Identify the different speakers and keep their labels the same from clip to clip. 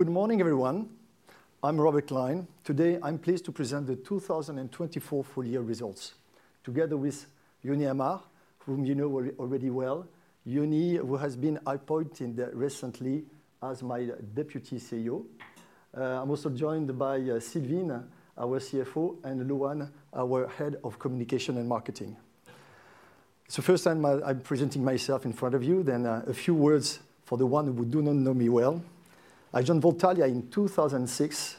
Speaker 1: Good morning, everyone. I'm Robert Klein. Today, I'm pleased to present the 2024 full-year results, together with Yoni Ammar, whom you know already well, Yoni who has been appointed recently as my Deputy CEO. I'm also joined by Sylvine, our CFO, and Loan, our Head of Communication and Marketing. First, I'm presenting myself in front of you, then a few words for the ones who do not know me well. I joined Voltalia in 2006,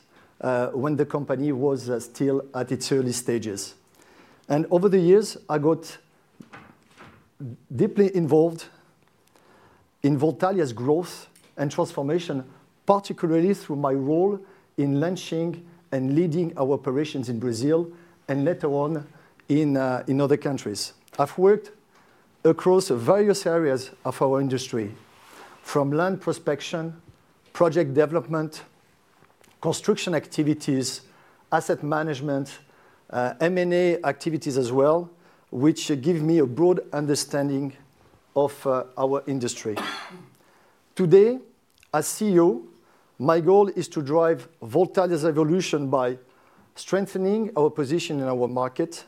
Speaker 1: when the company was still at its early stages. Over the years, I got deeply involved in Voltalia's growth and transformation, particularly through my role in launching and leading our operations in Brazil and later on in other countries. I've worked across various areas of our industry, from land prospection, project development, construction activities, asset management, M&A activities as well, which give me a broad understanding of our industry. Today, as CEO, my goal is to drive Voltalia's evolution by strengthening our position in our market,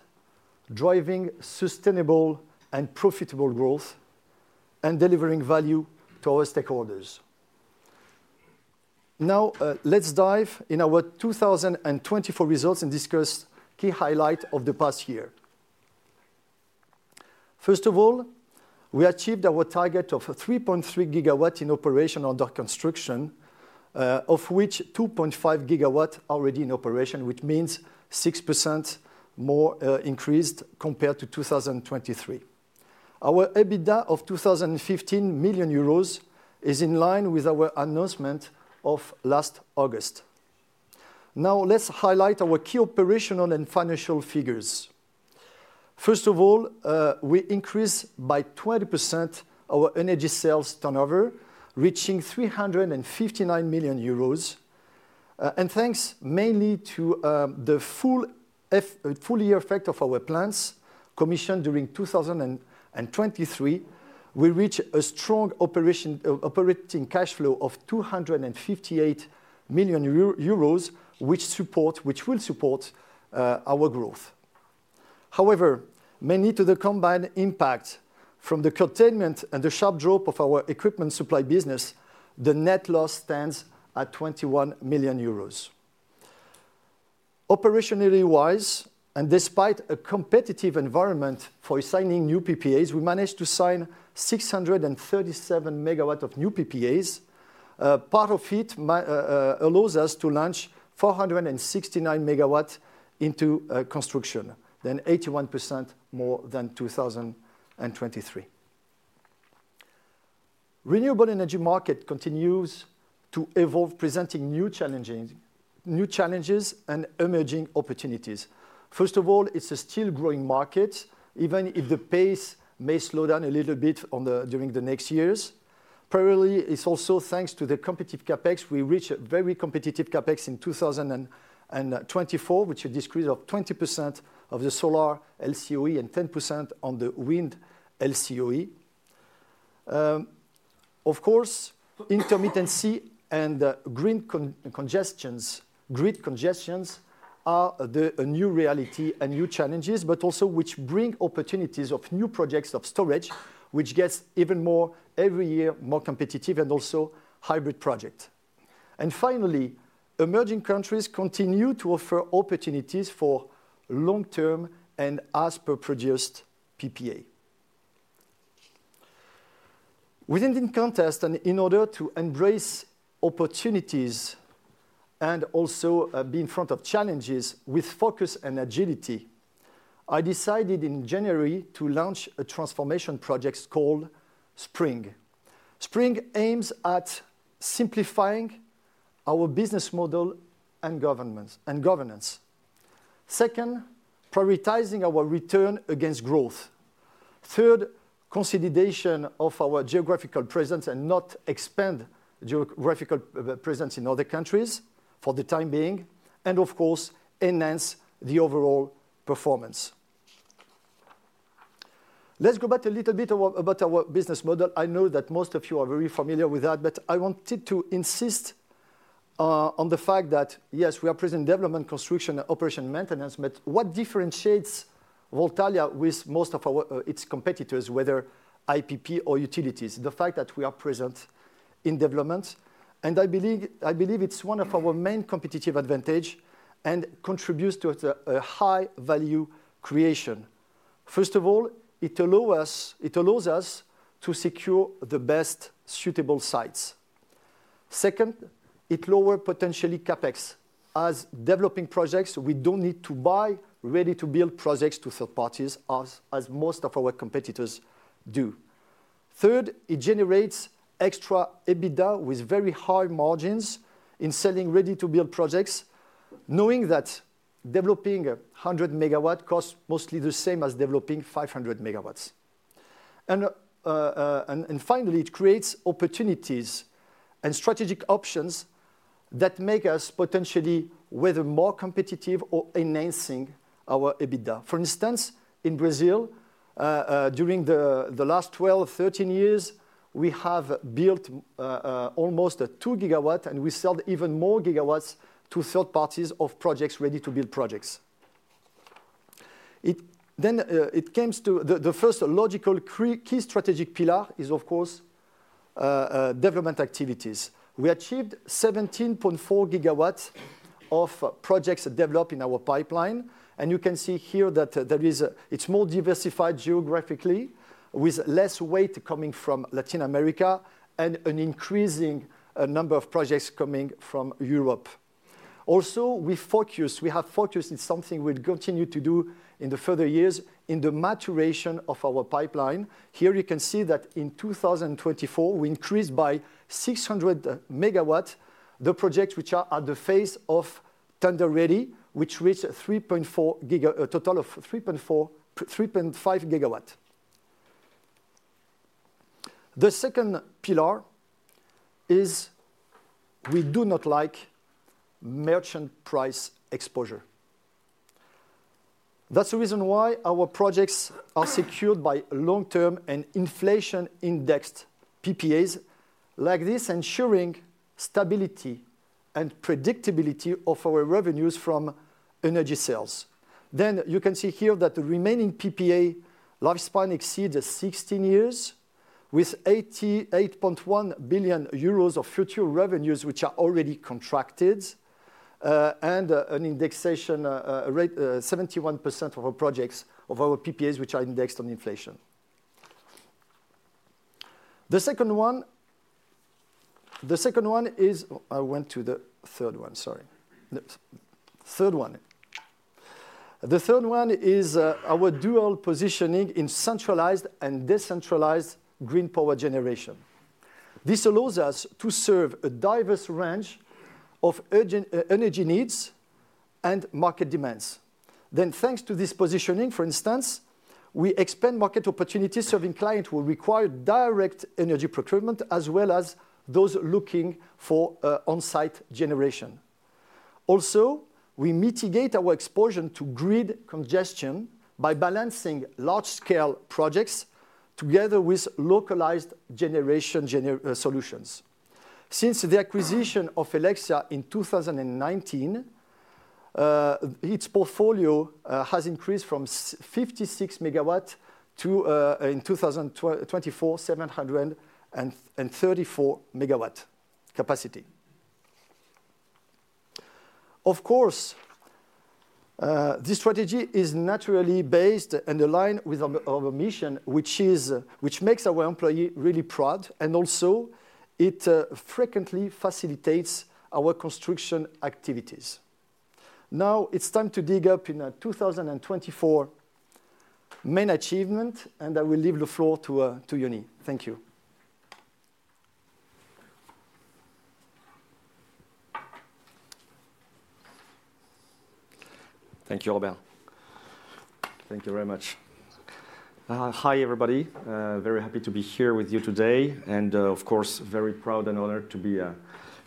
Speaker 1: driving sustainable and profitable growth, and delivering value to our stakeholders. Now, let's dive into our 2024 results and discuss key highlights of the past year. First of all, we achieved our target of 3.3 GW in operation under construction, of which 2.5 GW are already in operation, which means a 6% more increase compared to 2023. Our EBITDA of 215 million euros is in line with our announcement of last August. Now, let's highlight our key operational and financial figures. First of all, we increased by 20% our energy sales turnover, reaching 359 million euros. Thanks mainly to the full-year effect of our plants commissioned during 2023, we reached a strong operating cash flow of 258 million euro, which will support our growth. However, many of the combined impacts from the curtailment and the sharp drop of our equipment supply business, the net loss stands at 21 million euros. Operationally wise, and despite a competitive environment for signing new PPAs, we managed to sign 637 MW of new PPAs. Part of it allows us to launch 469 MW into construction, then 81% more than 2023. The renewable energy market continues to evolve, presenting new challenges and emerging opportunities. First of all, it is a still-growing market, even if the pace may slow down a little bit during the next years. Primarily, it is also thanks to the competitive Capex. We reached a very competitive Capex in 2024, which is a decrease of 20% of the solar LCOE and 10% on the wind LCOE. Of course, intermittency and grid congestions are a new reality and new challenges, which also bring opportunities of new projects of storage, which gets even more every year more competitive and also hybrid projects. Finally, emerging countries continue to offer opportunities for long-term and as per-produced PPA. Within this context, and in order to embrace opportunities and also be in front of challenges with focus and agility, I decided in January to launch a transformation project called SPRING. SPRING aims at simplifying our business model and governance. Second, prioritizing our return against growth. Third, consolidation of our geographical presence and not expand geographical presence in other countries for the time being, and of course, enhance the overall performance. Let's go back a little bit about our business model. I know that most of you are very familiar with that, but I wanted to insist on the fact that, yes, we are present in development, construction, and operation maintenance, but what differentiates Voltalia with most of its competitors, whether IPP or utilities, is the fact that we are present in development. I believe it's one of our main competitive advantages and contributes to a high-value creation. First of all, it allows us to secure the best suitable sites. Second, it lowers potentially Capex. As developing projects, we don't need to buy ready-to-build projects to third parties, as most of our competitors do. Third, it generates extra EBITDA with very high margins in selling ready-to-build projects, knowing that developing 100 MW costs mostly the same as developing 500 MW. Finally, it creates opportunities and strategic options that make us potentially whether more competitive or enhancing our EBITDA. For instance, in Brazil, during the last 12-13 years, we have built almost 2 GW, and we sold even more GW to third parties of projects ready-to-build projects. It comes to the first logical key strategic pillar is, of course, development activities. We achieved 17.4 GW of projects developed in our pipeline. You can see here that it is more diversified geographically, with less weight coming from Latin America and an increasing number of projects coming from Europe. Also, we have focused in something we will continue to do in the further years in the maturation of our pipeline. You can see that in 2024, we increased by 600 MW the projects which are at the phase of tender ready, which reached a total of 3.5 GW. The second pillar is we do not like merchant price exposure. That's the reason why our projects are secured by long-term and inflation-indexed PPAs like this, ensuring stability and predictability of our revenues from energy sales. You can see here that the remaining PPA lifespan exceeds 16 years, with 88.1 billion euros of future revenues which are already contracted and an indexation rate of 71% of our projects, of our PPAs which are indexed on inflation. The second one is, I went to the third one, sorry. The third one. The third one is our dual positioning in centralized and decentralized green power generation. This allows us to serve a diverse range of energy needs and market demands. Thanks to this positioning, for instance, we expand market opportunities serving clients who require direct energy procurement as well as those looking for on-site generation. Also, we mitigate our exposure to grid congestion by balancing large-scale projects together with localized generation solutions. Since the acquisition of Helexia in 2019, its portfolio has increased from 56 MW to, in 2024, 734 MW capacity. Of course, this strategy is naturally based and aligned with our mission, which makes our employees really proud, and also it frequently facilitates our construction activities. Now, it's time to dig up in 2024 main achievement, and I will leave the floor to Yoni. Thank you.
Speaker 2: Thank you, Robert. Thank you very much. Hi, everybody. Very happy to be here with you today, and of course, very proud and honored to be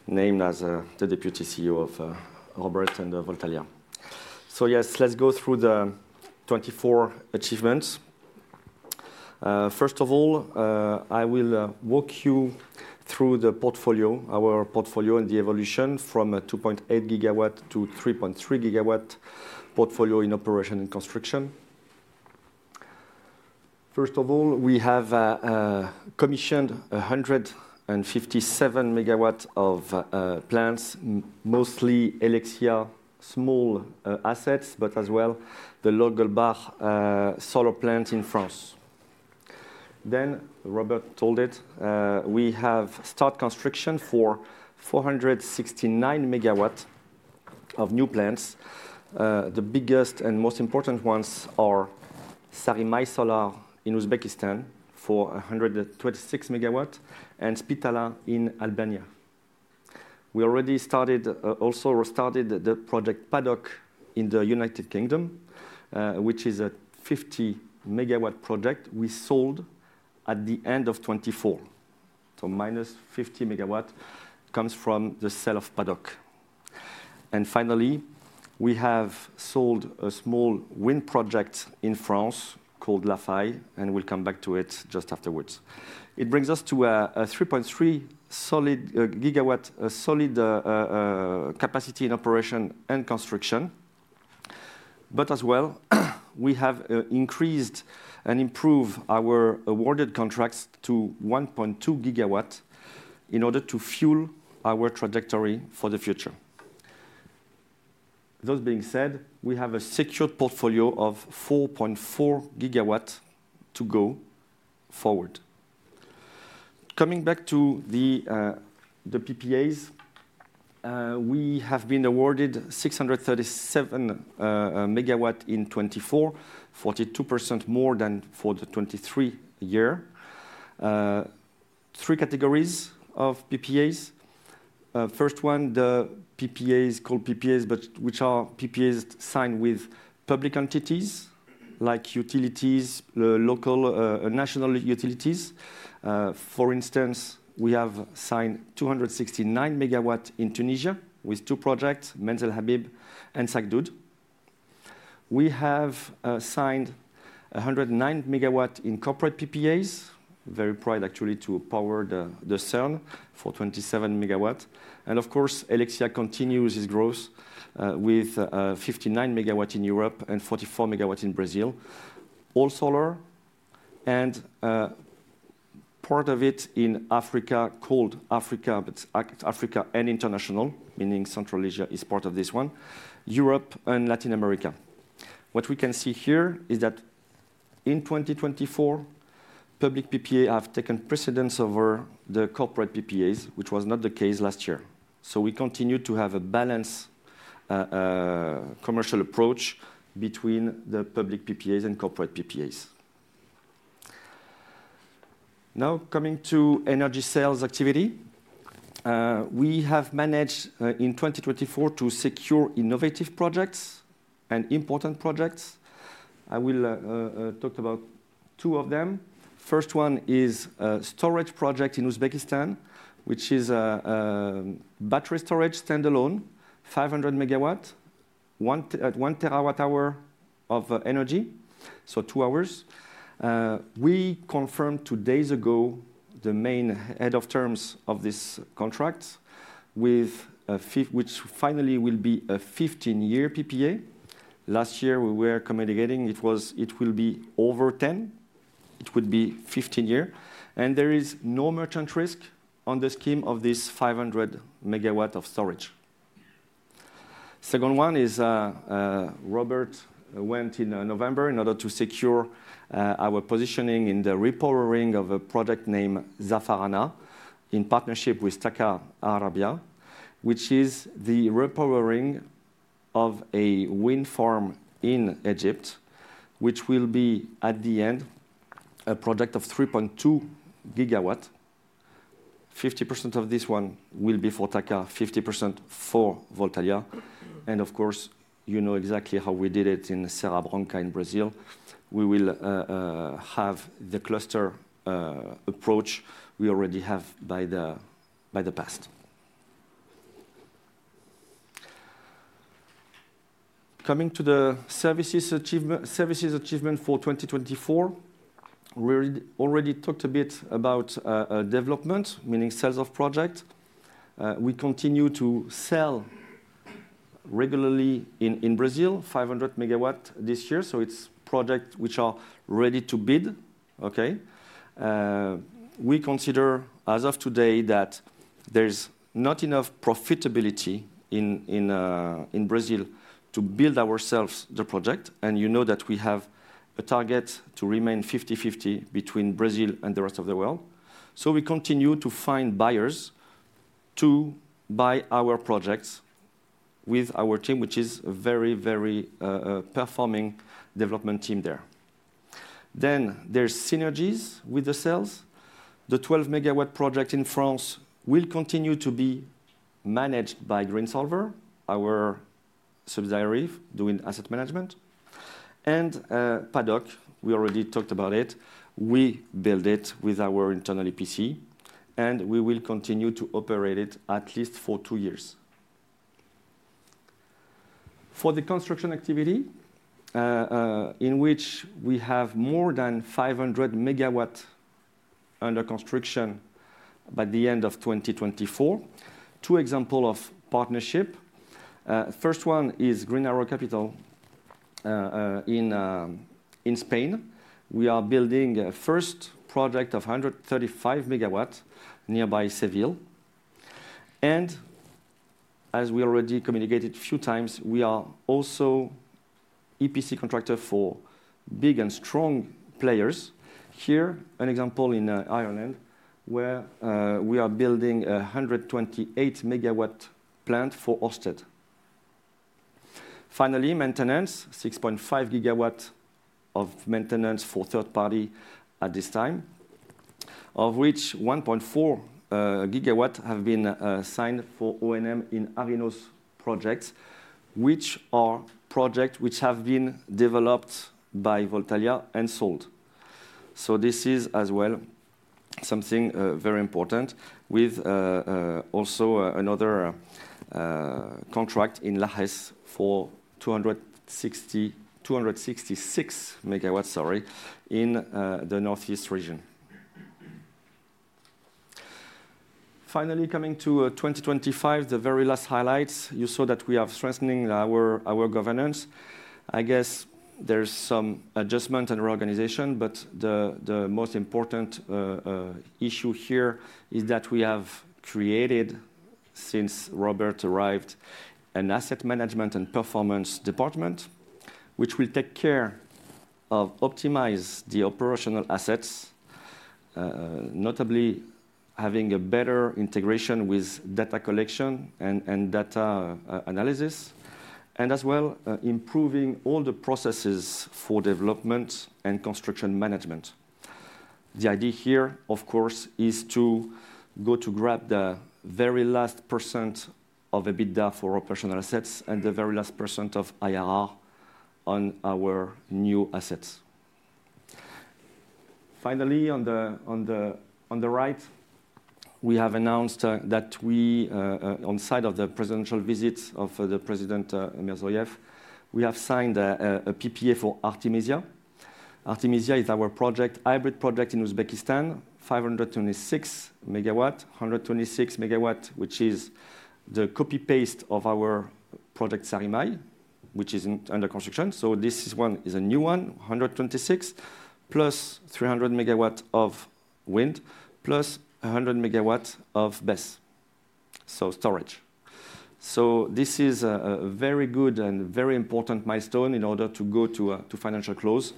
Speaker 2: named as the Deputy CEO of Robert and Voltalia. Yes, let's go through the 2024 achievements. First of all, I will walk you through the portfolio, our portfolio and the evolution from 2.8 GW to 3.3 GW portfolio in operation and construction. First of all, we have commissioned 157 MW of plants, mostly Helexia small assets, but as well the Logelbach solar plant in France. Robert told it, we have started construction for 469 MW of new plants. The biggest and most important ones are Sarimay Solar in Uzbekistan for 126 MW and Spitalla in Albania. We already started also restarted the project Paddock in the United Kingdom, which is a 50 megawatt project we sold at the end of 2024. Minus 50 MW comes from the sale of Paddock. Finally, we have sold a small wind project in France called La Faye, and we'll come back to it just afterwards. It brings us to a 3.3 GW solid capacity in operation and construction. As well, we have increased and improved our awarded contracts to 1.2 GW in order to fuel our trajectory for the future. That being said, we have a secured portfolio of 4.4 GW to go forward. Coming back to the PPAs, we have been awarded 637 MW in 2024, 42% more than for the 2023 year. Three categories of PPAs. First one, the PPAs called PPAs, but which are PPAs signed with public entities like utilities, local national utilities. For instance, we have signed 269 MW in Tunisia with two projects, Menzel Habib and Sagdood. We have signed 109 MW in corporate PPAs. Very proud actually to power the CERN for 27 MW. Of course, Helexia continues its growth with 59 MW in Europe and 44 MW in Brazil. All solar and part of it in Africa called Africa and International, meaning Central Asia is part of this one, Europe and Latin America. What we can see here is that in 2024, public PPAs have taken precedence over the corporate PPAs, which was not the case last year. We continue to have a balanced commercial approach between the public PPAs and corporate PPAs. Now coming to energy sales activity, we have managed in 2024 to secure innovative projects and important projects. I will talk about two of them. First one is a storage project in Uzbekistan, which is a battery storage standalone, 500 MW, 1 TW hour of energy, so 2 hours. We confirmed two days ago the main head of terms of this contract, which finally will be a 15-year PPA. Last year, we were communicating it will be over 10. It would be 15 years. There is no merchant risk on the scheme of this 500 megawatt of storage. Second one is Robert went in November in order to secure our positioning in the re-powering of a project named Zafarana in partnership with TAQA Arabia, which is the re-powering of a wind farm in Egypt, which will be at the end a project of 3.2 GW. 50% of this one will be for TAQA, 50% for Voltalia. Of course, you know exactly how we did it in Serra Branca in Brazil. We will have the cluster approach we already have by the past. Coming to the Services achievement for 2024, we already talked a bit about development, meaning sales of projects. We continue to sell regularly in Brazil 500 MW this year. It is projects which are ready to bid. Okay. We consider as of today that there is not enough profitability in Brazil to build ourselves the project. You know that we have a target to remain 50/50 between Brazil and the rest of the world. We continue to find buyers to buy our projects with our team, which is a very, very performing development team there. There are synergies with the sales. The 12 MWproject in France will continue to be managed by Greensolver, our subsidiary doing asset management. Paddock, we already talked about it. We built it with our internal EPC, and we will continue to operate it at least for two years. For the construction activity in which we have more than 500 MW under construction by the end of 2024, two examples of partnership. First one is Green Arrow Capital in Spain. We are building a first project of 135 MW nearby Seville. As we already communicated a few times, we are also EPC contractors for big and strong players. Here, an example in Ireland where we are building a 128 MW plant for Orsted. Finally, maintenance, 6.5 GW of maintenance for third party at this time, of which 1.4 GW have been signed for O&M in Arinos projects, which are projects which have been developed by Voltalia and sold. This is as well something very important with also another contract in Lajes for 266 MW, sorry, in the northeast region. Finally, coming to 2025, the very last highlights, you saw that we have strengthening our governance. I guess there's some adjustment and reorganization, but the most important issue here is that we have created, since Robert arrived, an asset management and performance department, which will take care of optimizing the operational assets, notably having a better integration with data collection and data analysis, and as well improving all the processes for development and construction management. The idea here, of course, is to go to grab the very last % of EBITDA for operational assets and the very last % of IRR on our new assets. Finally, on the right, we have announced that we, on the side of the presidential visit of the President, Mirziyoyev we have signed a PPA for Artemisya. Artemisya is our project, hybrid project in Uzbekistan, 526 MW, 126 MW, which is the copy-paste of our project Sarimay, which is under construction. This one is a new one, 126 plus 300 MW of wind plus 100 MW of BESS, so storage. This is a very good and very important milestone in order to go to financial close.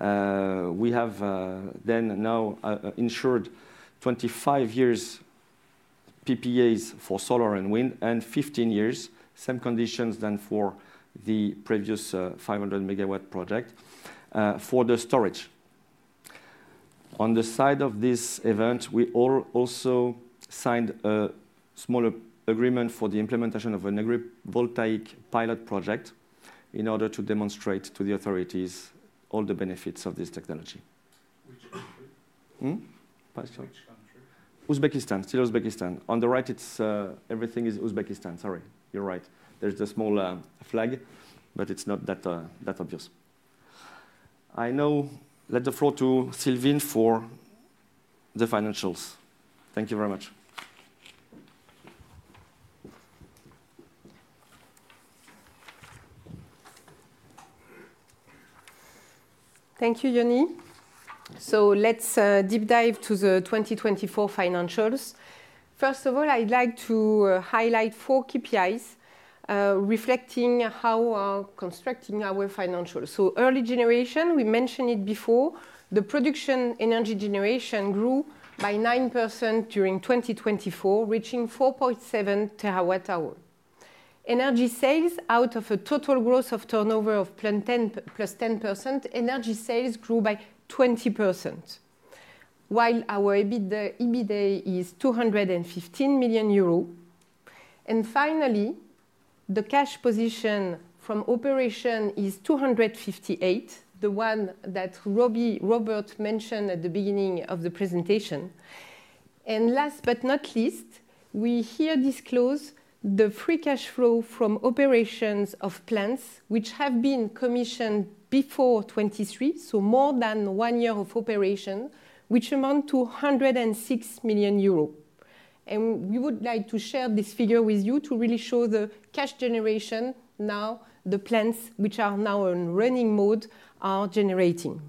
Speaker 2: We have then now ensured 25 years PPAs for solar and wind and 15 years, same conditions as for the previous 500 megawatt project for the storage. On the side of this event, we also signed a smaller agreement for the implementation of an agrivoltaic pilot project in order to demonstrate to the authorities all the benefits of this technology. Uzbekistan, still Uzbekistan. On the right, everything is Uzbekistan. Sorry, you're right. There is a small flag, but it's not that obvious. I know. Let's afford to Sylvine for the financials. Thank you very much.
Speaker 3: Thank you, Yoni. Let's deep dive to the 2024 financials. First of all, I'd like to highlight four KPIs reflecting how we are constructing our financials. Early generation, we mentioned it before, the production energy generation grew by 9% during 2024, reaching 4.7 TW hours. Energy sales out of a total gross of turnover of 10 plus 10%, energy sales grew by 20%, while our EBITDA is 215 million euros. Finally, the cash position from operation is 258 million, the one that Robert mentioned at the beginning of the presentation. Last but not least, we here disclose the free cash flow from operations of plants which have been commissioned before 2023, so more than one year of operation, which amounts to 106 million euros. We would like to share this figure with you to really show the cash generation now, the plants which are now in running mode are generating.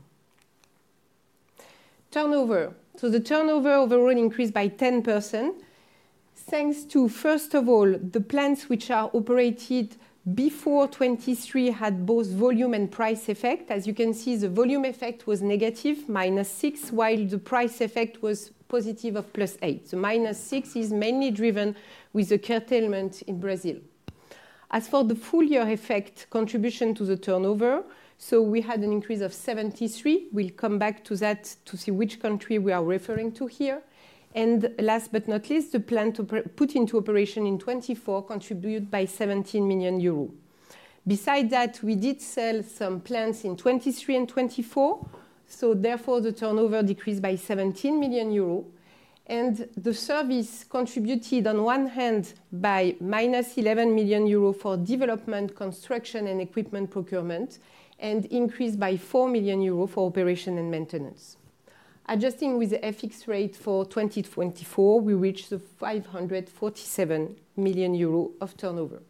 Speaker 3: Turnover. The turnover overall increased by 10% thanks to, first of all, the plants which are operated before 2023 had both volume and price effect. As you can see, the volume effect was negative, minus 6, while the price effect was positive of plus 8. Minus 6 is mainly driven with the curtailment in Brazil. As for the full year effect contribution to the turnover, we had an increase of 73. We will come back to that to see which country we are referring to here. Last but not least, the plant put into operation in 2024 contributed by 17 million euros. Beside that, we did sell some plants in 2023 and 2024, so therefore the turnover decreased by 17 million euros. The service contributed on one hand by minus 11 million euros for development, construction, and equipment procurement, and increased by 4 million euros for operation and maintenance. Adjusting with the FX rate for 2024, we reached 547 million euro of turnover.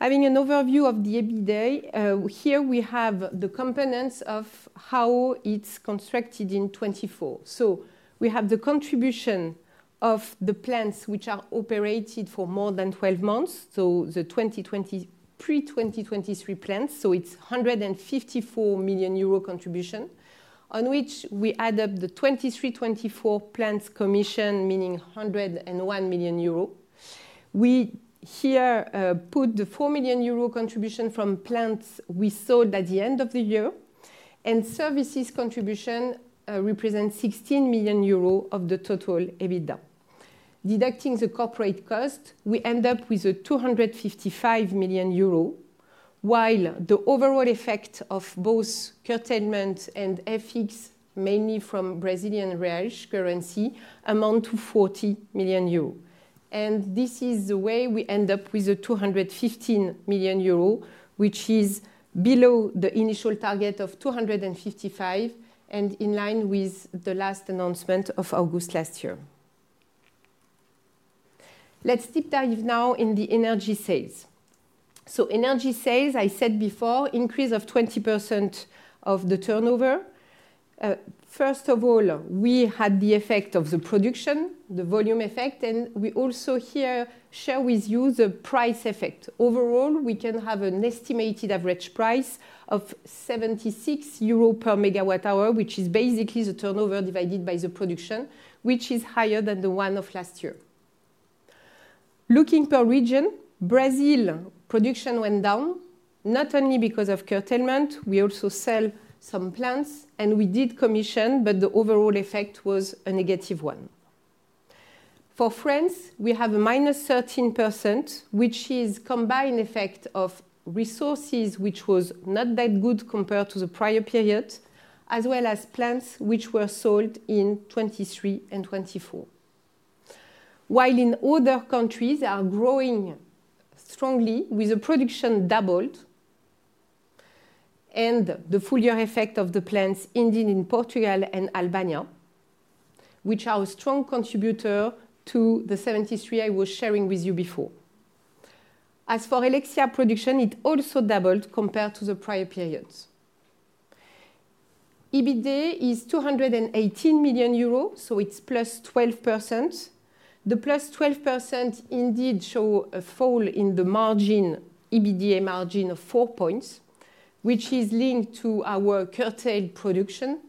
Speaker 3: Having an overview of the EBITDA, here we have the components of how it's constructed in 2024. We have the contribution of the plants which are operated for more than 12 months, so the 2020 pre-2023 plants, so it's 154 million euro contribution, on which we add up the 2023-2024 plants commission, meaning 101 million euro. We here put the 4 million euro contribution from plants we sold at the end of the year, and services contribution represents 16 million euros of the total EBITDA. Deducting the corporate cost, we end up with 255 million euros, while the overall effect of both curtailment and FX, mainly from Brazilian real currency, amounts to 40 million euro. This is the way we end up with 215 million euro, which is below the initial target of 255 million, and in line with the last announcement of August last year. Let's deep dive now in the Energy Sales. Energy Sales, I said before, increase of 20% of the turnover. First of all, we had the effect of the production, the volume effect, and we also here share with you the price effect. Overall, we can have an estimated average price of 76 euros per megawatt hour, which is basically the turnover divided by the production, which is higher than the one of last year. Looking per region, Brazil production went down, not only because of curtailment, we also sold some plants, and we did commission, but the overall effect was a negative one. For France, we have a minus 13%, which is a combined effect of resources, which was not that good compared to the prior period, as well as plants which were sold in 2023 and 2024. While in other countries, they are growing strongly with the production doubled and the full year effect of the plants ending in Portugal and Albania, which are a strong contributor to the 73 I was sharing with you before. As for Helexia production, it also doubled compared to the prior periods. EBITDA is 218 million euros, so it is plus 12%. The plus 12% indeed shows a fall in the margin, EBITDA margin of 4 points, which is linked to our curtailed production,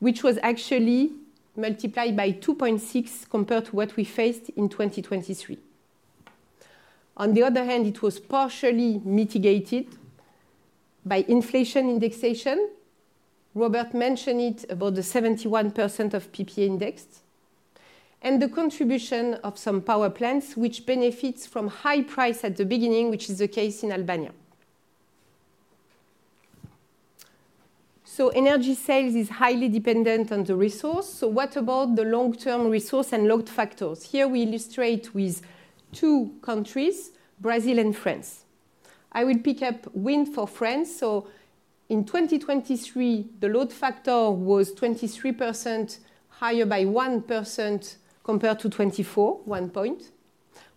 Speaker 3: which was actually multiplied by 2.6 compared to what we faced in 2023. On the other hand, it was partially mitigated by inflation indexation. Robert mentioned it about the 71% of PPA indexed, and the contribution of some power plants, which benefits from high price at the beginning, which is the case in Albania. Energy sales is highly dependent on the resource. What about the long-term resource and load factors? Here we illustrate with two countries, Brazil and France. I will pick up wind for France. In 2023, the load factor was 23%, higher by 1% compared to 2024, 1 point,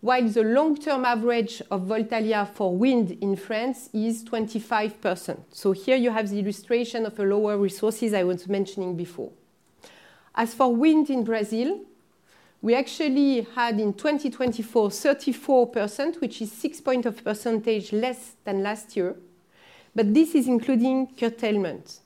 Speaker 3: while the long-term average of Voltalia for wind in France is 25%. Here you have the illustration of the lower resources I was mentioning before. As for wind in Brazil, we actually had in 2024, 34%, which is 6 percentage points less than last year, but this is including curtailment.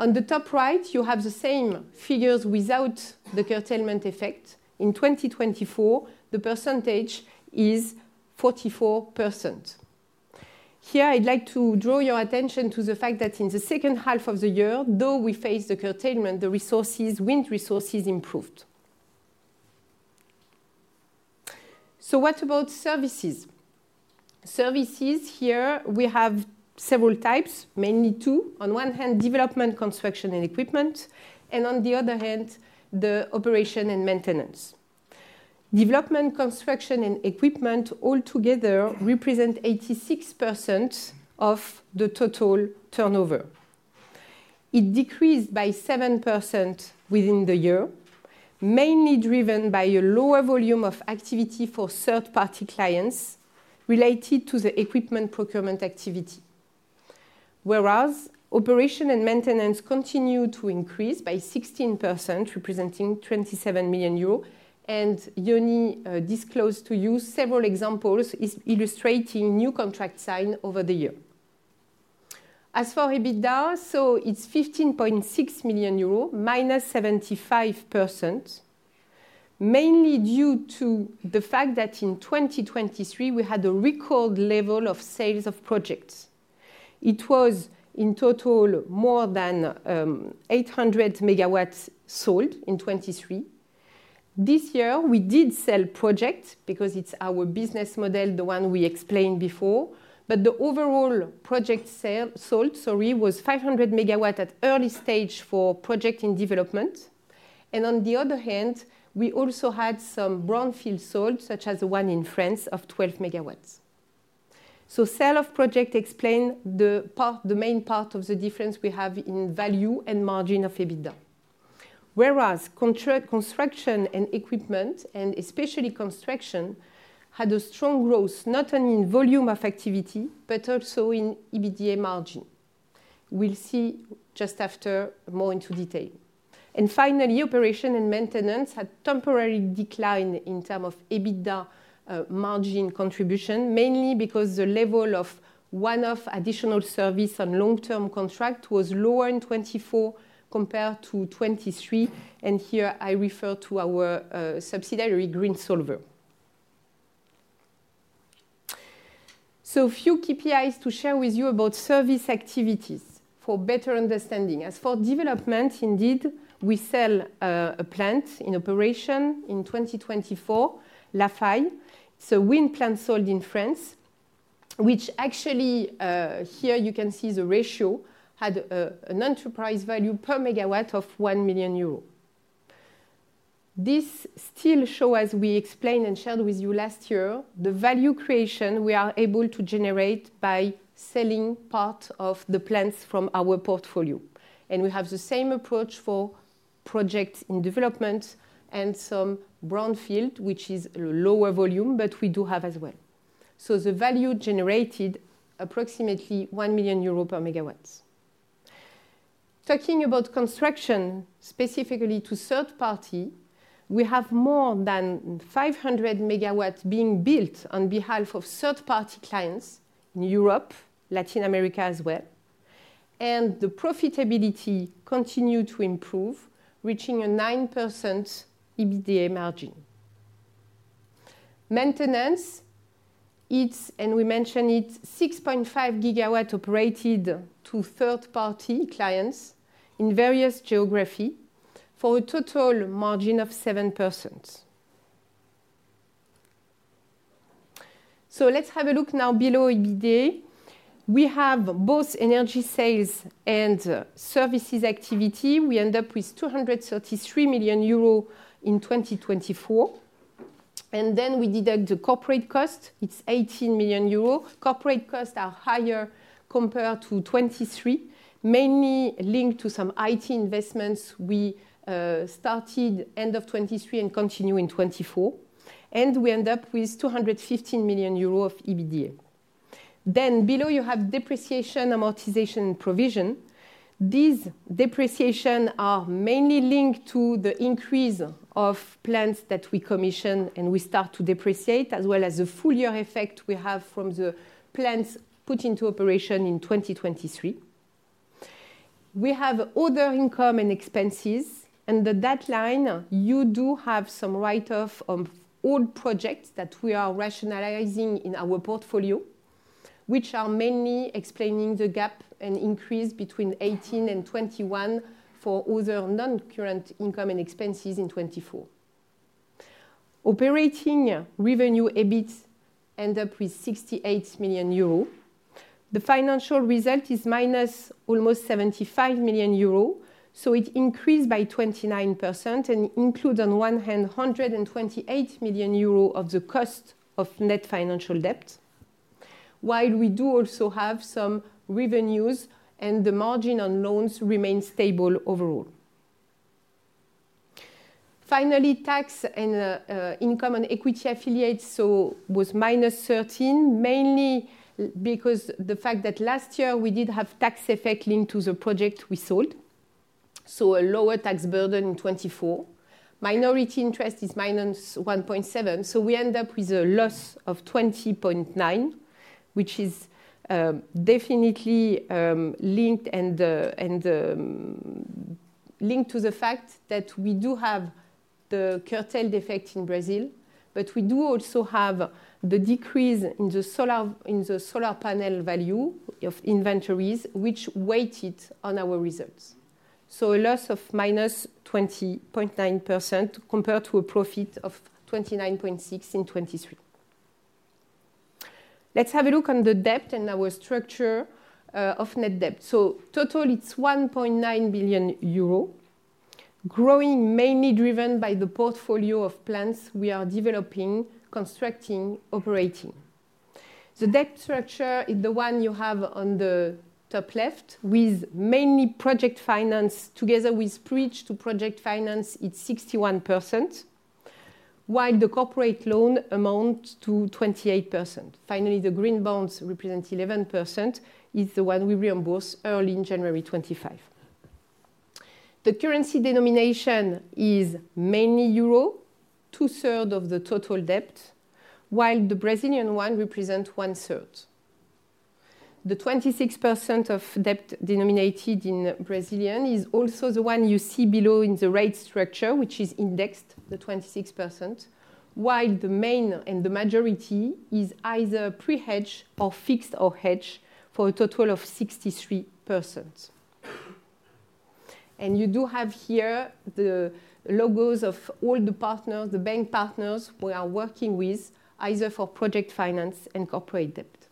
Speaker 3: On the top right, you have the same figures without the curtailment effect. In 2024, the percentage is 44%. Here, I'd like to draw your attention to the fact that in the second half of the year, though we faced the curtailment, the resources, wind resources improved. What about services? Services here, we have several types, mainly two. On one hand, development, construction, and equipment, and on the other hand, the operation and maintenance. Development, construction, and equipment altogether represent 86% of the total turnover. It decreased by 7% within the year, mainly driven by a lower volume of activity for third-party clients related to the equipment procurement activity, whereas operation and maintenance continued to increase by 16%, representing 27 million euros, and Yoni disclosed to you several examples illustrating new contracts signed over the year. As for EBITDA, it is 15.6 million euros, minus 75%, mainly due to the fact that in 2023, we had a record level of sales of projects. It was in total more than 800 MW sold in 2023. This year, we did sell projects because it is our business model, the one we explained before, but the overall project sold, sorry, was 500 MW at early stage for project in development. On the other hand, we also had some brownfields sold, such as the one in France of 12 MW. Sale of projects explains the main part of the difference we have in value and margin of EBITDA, whereas construction and equipment, and especially construction, had a strong growth not only in volume of activity, but also in EBITDA margin. We will see just after more into detail. Finally, operation and maintenance had a temporary decline in terms of EBITDA margin contribution, mainly because the level of one-off additional service on long-term contract was lower in 2024 compared to 2023, and here I refer to our subsidiary Greensolver. A few KPIs to share with you about service activities for better understanding. As for development, indeed, we sell a plant in operation in 2024, La Faye, it is a wind plant sold in France, which actually here you can see the ratio had an enterprise value per megawatt of 1 million euro. This still shows, as we explained and shared with you last year, the value creation we are able to generate by selling part of the plants from our portfolio. We have the same approach for projects in development and some brownfield, which is a lower volume, but we do have as well. The value generated is approximately 1 million euro per megawatt. Talking about construction, specifically to third party, we have more than 500 MW being built on behalf of third-party clients in Europe, Latin America as well, and the profitability continued to improve, reaching a 9% EBITDA margin. Maintenance, it's, and we mentioned it, 6.5 GW operated to third-party clients in various geographies for a total margin of 7%. Let's have a look now below EBITDA. We have both Energy Sales and Services activity. We end up with 233 million euros in 2024. We deduct the corporate cost. It is 18 million euros. Corporate costs are higher compared to 2023, mainly linked to some IT investments we started at the end of 2023 and continued in 2024. We end up with 215 million euros of EBITDA. Below, you have depreciation, amortization, and provision. These depreciations are mainly linked to the increase of plants that we commission and we start to depreciate, as well as the full year effect we have from the plants put into operation in 2023. We have other income and expenses, and the deadline, you do have some write-off of old projects that we are rationalizing in our portfolio, which are mainly explaining the gap and increase between 18 million and 21 million for other non-current income and expenses in 2024. Operating revenue EBIT ends up with 68 million euro. The financial result is minus almost 75 million euro, so it increased by 29% and includes on one hand 128 million euro of the cost of net financial debt, while we do also have some revenues and the margin on loans remains stable overall. Finally, tax and income and equity affiliates, so it was minus 13, mainly because of the fact that last year we did have tax effect linked to the project we sold, so a lower tax burden in 2024. Minority interest is minus 1.7, so we end up with a loss of 20.9, which is definitely linked and linked to the fact that we do have the curtailed effect in Brazil, but we do also have the decrease in the solar panel value of inventories which weighted on our results. A loss of minus 20.9% compared to a profit of 29.6 in 2023. Let's have a look on the debt and our structure of net debt. Total, it's 1.9 billion euro, growing mainly driven by the portfolio of plants we are developing, constructing, operating. The debt structure is the one you have on the top left with mainly project finance together with bridge to project finance, it's 61%, while the corporate loan amounts to 28%. Finally, the green bonds represent 11%, is the one we reimbursed early in January 2025. The currency denomination is mainly euro, two-thirds of the total debt, while the Brazilian one represents one-third. The 26% of debt denominated in Brazilian is also the one you see below in the rate structure, which is indexed to 26%, while the main and the majority is either pre-hedged or fixed or hedged for a total of 63%. You do have here the logos of all the partners, the bank partners we are working with, either for project finance and corporate debt.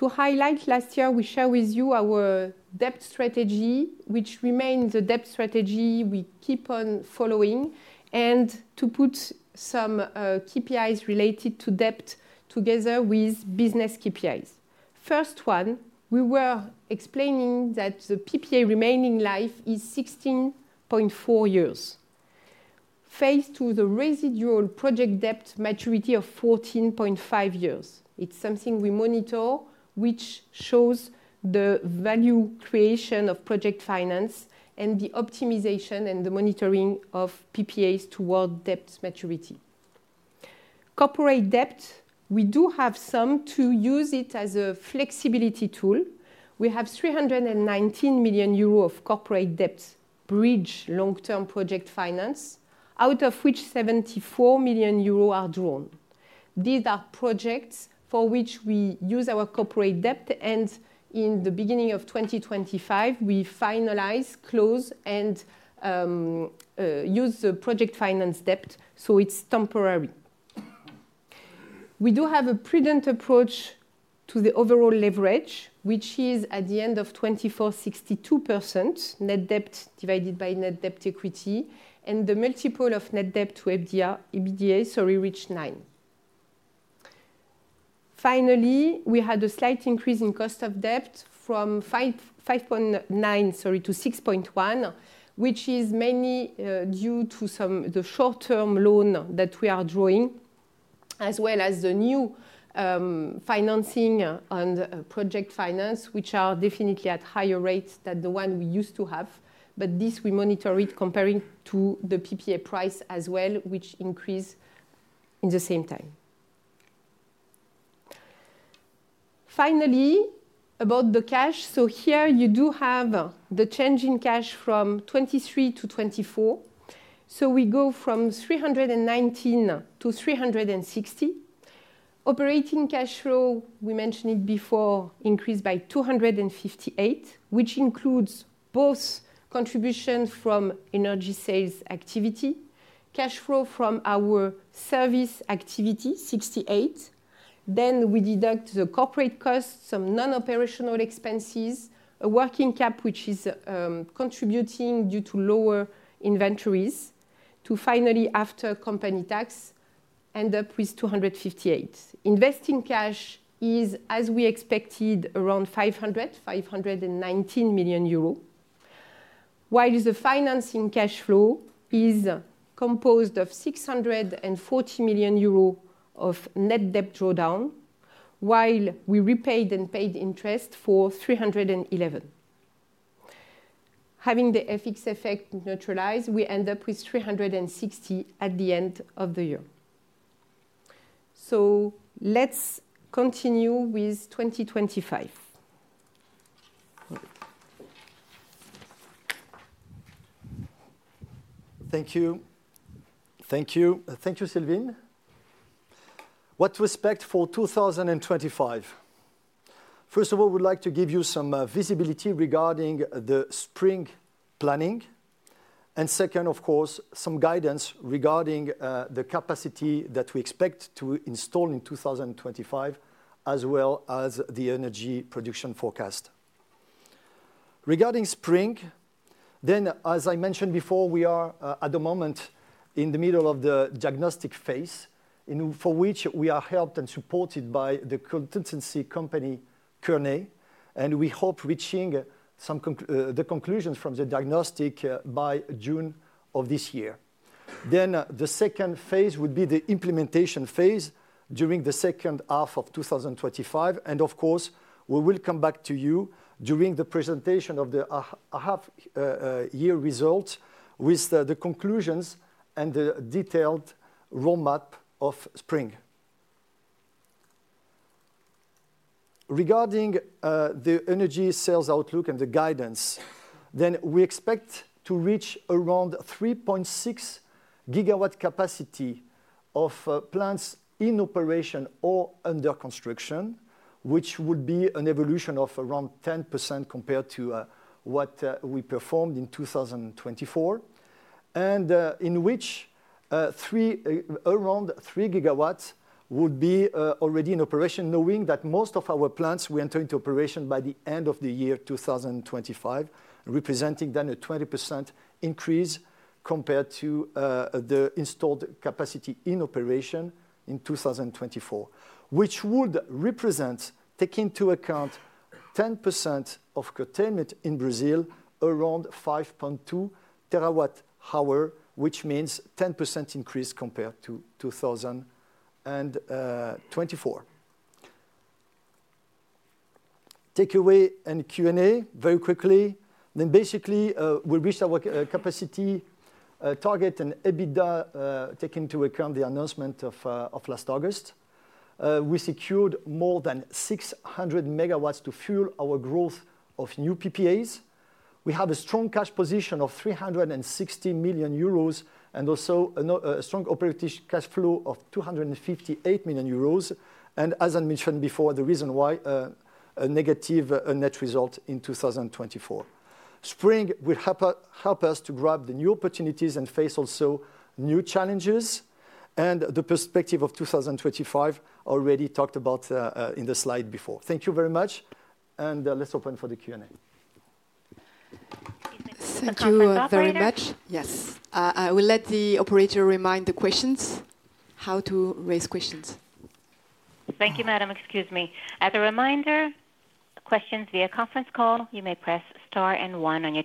Speaker 3: To highlight last year, we share with you our debt strategy, which remains the debt strategy we keep on following, and to put some KPIs related to debt together with business KPIs. First one, we were explaining that the PPA remaining life is 16.4 years, face to the residual project debt maturity of 14.5 years. It's something we monitor, which shows the value creation of project finance and the optimization and the monitoring of PPAs toward debt maturity. Corporate debt, we do have some to use it as a flexibility tool. We have 319 million euro of corporate debt bridge long-term project finance, out of which 74 million euro are drawn. These are projects for which we use our corporate debt, and in the beginning of 2025, we finalize, close, and use the project finance debt, so it's temporary. We do have a prudent approach to the overall leverage, which is at the end of 2024, 62% net debt divided by net debt equity, and the multiple of net debt to EBITDA, sorry, reached 9. Finally, we had a slight increase in cost of debt from 5.9, sorry, to 6.1, which is mainly due to some of the short-term loans that we are drawing, as well as the new financing on project finance, which are definitely at higher rates than the one we used to have, but this we monitor it comparing to the PPA price as well, which increased in the same time. Finally, about the cash, here you do have the change in cash from 2023-2024, we go from 319 million-360 million. Operating cash flow, we mentioned it before, increased by 258 million, which includes both contributions from energy sales activity, cash flow from our services activity, 68 million. Then we deduct the corporate costs, some non-operational expenses, a working cap, which is contributing due to lower inventories, to finally, after company tax, end up with 258 million. Investing cash is, as we expected, around 500 million, 519 million euro, while the financing cash flow is composed of 640 million euro of net debt drawdown, while we repaid and paid interest for 311 million. Having the FX effect neutralized, we end up with 360 million at the end of the year. Let's continue with 2025.
Speaker 1: Thank you. Thank you. Thank you, Sylvine. What to expect for 2025? First of all, we'd like to give you some visibility regarding the SPRING planning, and second, of course, some guidance regarding the capacity that we expect to install in 2025, as well as the energy production forecast. Regarding SPRING, then, as I mentioned before, we are at the moment in the middle of the diagnostic phase, for which we are helped and supported by the consultancy company Kernet, and we hope to reach some conclusions from the diagnostic by June of this year. The second phase would be the implementation phase during the second half of 2025, and of course, we will come back to you during the presentation of the half-year results with the conclusions and the detailed roadmap of SPRING. Regarding the energy sales outlook and the guidance, we expect to reach around 3.6 GW capacity of plants in operation or under construction, which would be an evolution of around 10% compared to what we performed in 2024, and in which around 3 GW would be already in operation, knowing that most of our plants will enter into operation by the end of the year 2025, representing a 20% increase compared to the installed capacity in operation in 2024, which would represent, taking into account 10% of curtailment in Brazil, around 5.2 TW-hour, which means a 10% increase compared to 2024. Take away and Q&A very quickly. Basically, we reached our capacity target and EBITDA, taking into account the announcement of last August. We secured more than 600 MW to fuel our growth of new PPAs. We have a strong cash position of 360 million euros and also a strong operating cash flow of 258 million euros. As I mentioned before, the reason why a negative net result in 2024. SPRING will help us to grab the new opportunities and face also new challenges. The perspective of 2025, already talked about in the slide before. Thank you very much, and let's open for the Q&A.
Speaker 3: Thank you very much. Yes. I will let the operator remind the questions. How to raise?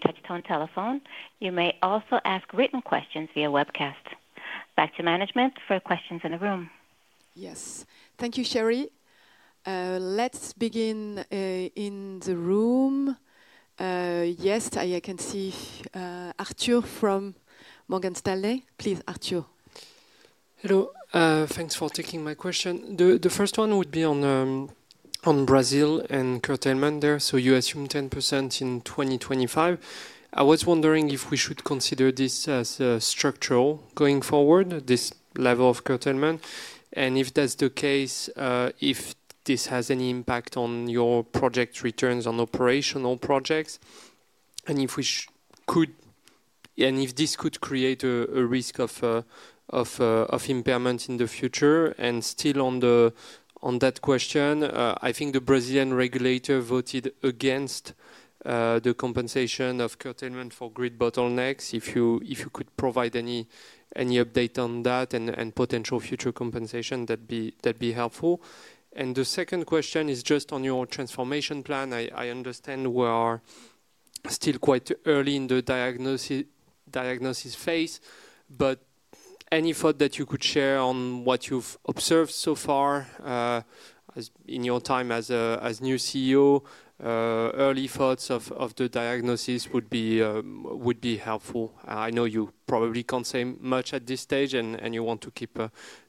Speaker 4: touch-tone telephone. You may also ask written questions via webcast. Back to management for questions in the room.
Speaker 3: Yes. Thank you, Cherie. Let's begin in the room. Yes, I can see Arthur from Morgan Stanley. Please, Arthur. Hello.
Speaker 5: Thanks for taking my question. The first one would be on Brazil and curtailment there. You assume 10% in 2025. I was wondering if we should consider this as structural going forward, this level of curtailment, and if that's the case, if this has any impact on your project returns on operational projects, and if this could create a risk of impairment in the future. Still on that question, I think the Brazilian regulator voted against the compensation of curtailment for grid bottlenecks. If you could provide any update on that and potential future compensation, that'd be helpful. The second question is just on your transformation plan. I understand we are still quite early in the diagnosis phase, but any thought that you could share on what you've observed so far in your time as a new CEO, early thoughts of the diagnosis would be helpful. I know you probably can't say much at this stage and you want to keep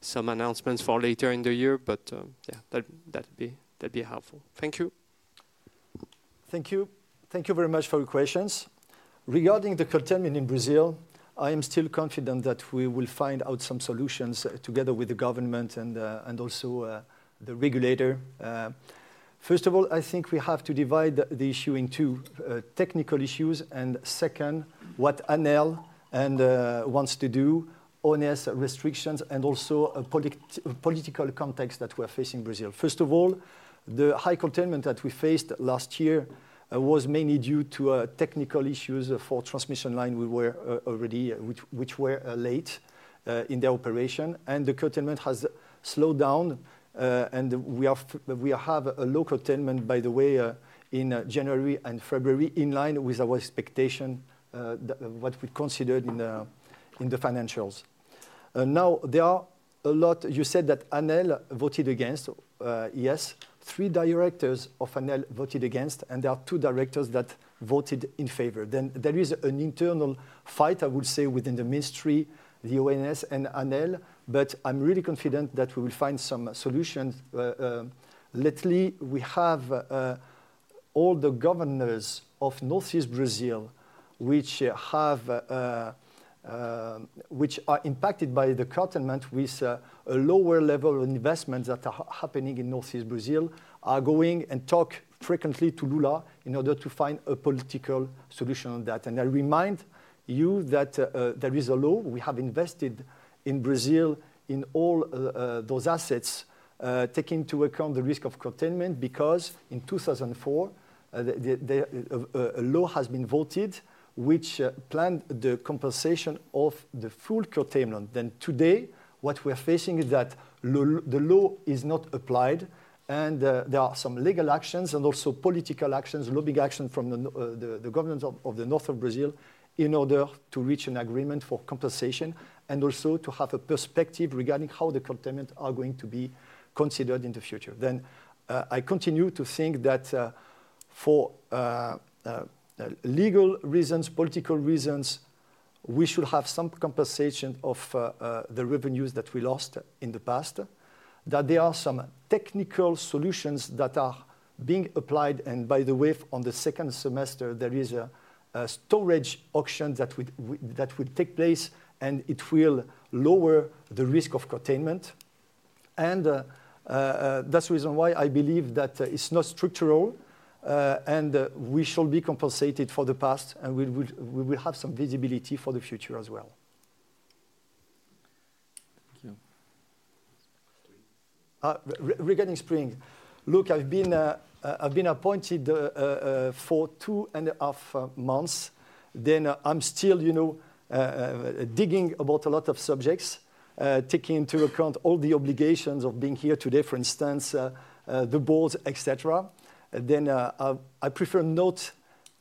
Speaker 5: some announcements for later in the year, but yeah, that'd be helpful. Thank you.
Speaker 1: Thank you. Thank you very much for your questions. Regarding the curtailment in Brazil, I am still confident that we will find out some solutions together with the government and also the regulator. First of all, I think we have to divide the issue in two technical issues. And second, what ANEEL wants to do, on its restrictions and also a political context that we are facing in Brazil. First of all, the high curtailment that we faced last year was mainly due to technical issues for transmission lines which were late in their operation. The curtailment has slowed down, and we have a low curtailment, by the way, in January and February in line with our expectation, what we considered in the financials. Now, you said that ANEEL voted against, yes. Three directors of ANEEL voted against, and there are two directors that voted in favor. There is an internal fight, I would say, within the ministry, the ONS and ANEEL, but I'm really confident that we will find some solutions. Lately, we have all the governors of Northeast Brazil, which are impacted by the curtailment with a lower level of investments that are happening in Northeast Brazil, are going and talk frequently to Lula in order to find a political solution on that. I remind you that there is a law. We have invested in Brazil in all those assets, taking into account the risk of curtailment because in 2004, a law has been voted which planned the compensation of the full curtailment. Today, what we're facing is that the law is not applied, and there are some legal actions and also political actions, lobbying actions from the governments of the north of Brazil in order to reach an agreement for compensation and also to have a perspective regarding how the curtailment are going to be considered in the future. I continue to think that for legal reasons, political reasons, we should have some compensation of the revenues that we lost in the past, that there are some technical solutions that are being applied. By the way, in the second semester, there is a storage auction that will take place, and it will lower the risk of curtailment. That is the reason why I believe that it is not structural, and we shall be compensated for the past, and we will have some visibility for the future as well. Thank you. Regarding SPRING, look, I have been appointed for two and a half months. I am still digging about a lot of subjects, taking into account all the obligations of being here today, for instance, the board, etc. I prefer not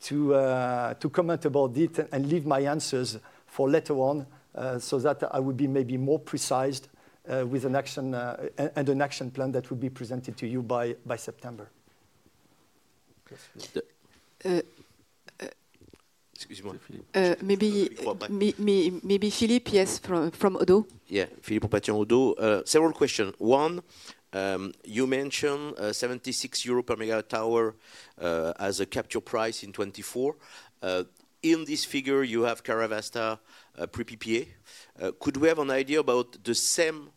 Speaker 1: to comment about it and leave my answers for later on so that I would be maybe more precise. With an action and an action plan that will be presented to you by September.
Speaker 3: Excuse me, Philippe. Maybe Philippe, yes, from Oddo.
Speaker 6: Yeah, Philippe Van Oorchot. Several questions. One, you mentioned 76 euro per MW-hour as a capture price in 2024. In this figure, you have Karavasta pre-PPA. Could we have an idea about the same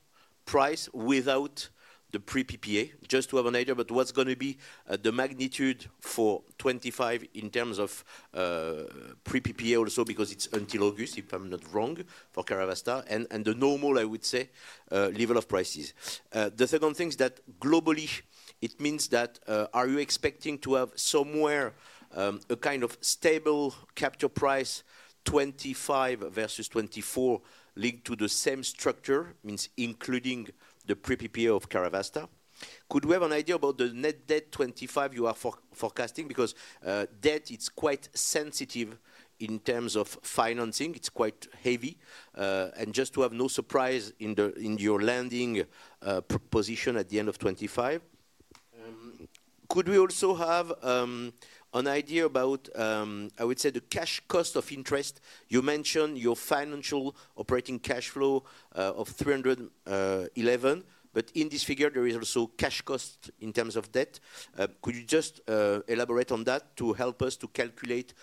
Speaker 6: price without the pre-PPA? Just to have an idea about what's going to be the magnitude for 2025 in terms of pre-PPA also, because it's until August, if I'm not wrong, for Karavasta and the normal, I would say, level of prices. The second thing is that globally, it means that are you expecting to have somewhere a kind of stable capture price, 2025 versus 2024, linked to the same structure, means including the pre-PPA of Karavasta? Could we have an idea about the net debt 2025 you are forecasting? Because debt, it's quite sensitive in terms of financing. It's quite heavy. Just to have no surprise in your landing position at the end of 2025, could we also have an idea about, I would say, the cash cost of interest? You mentioned your financial operating cash flow of 311 million, but in this figure, there is also cash cost in terms of debt. Could you just elaborate on that to help us to calculate,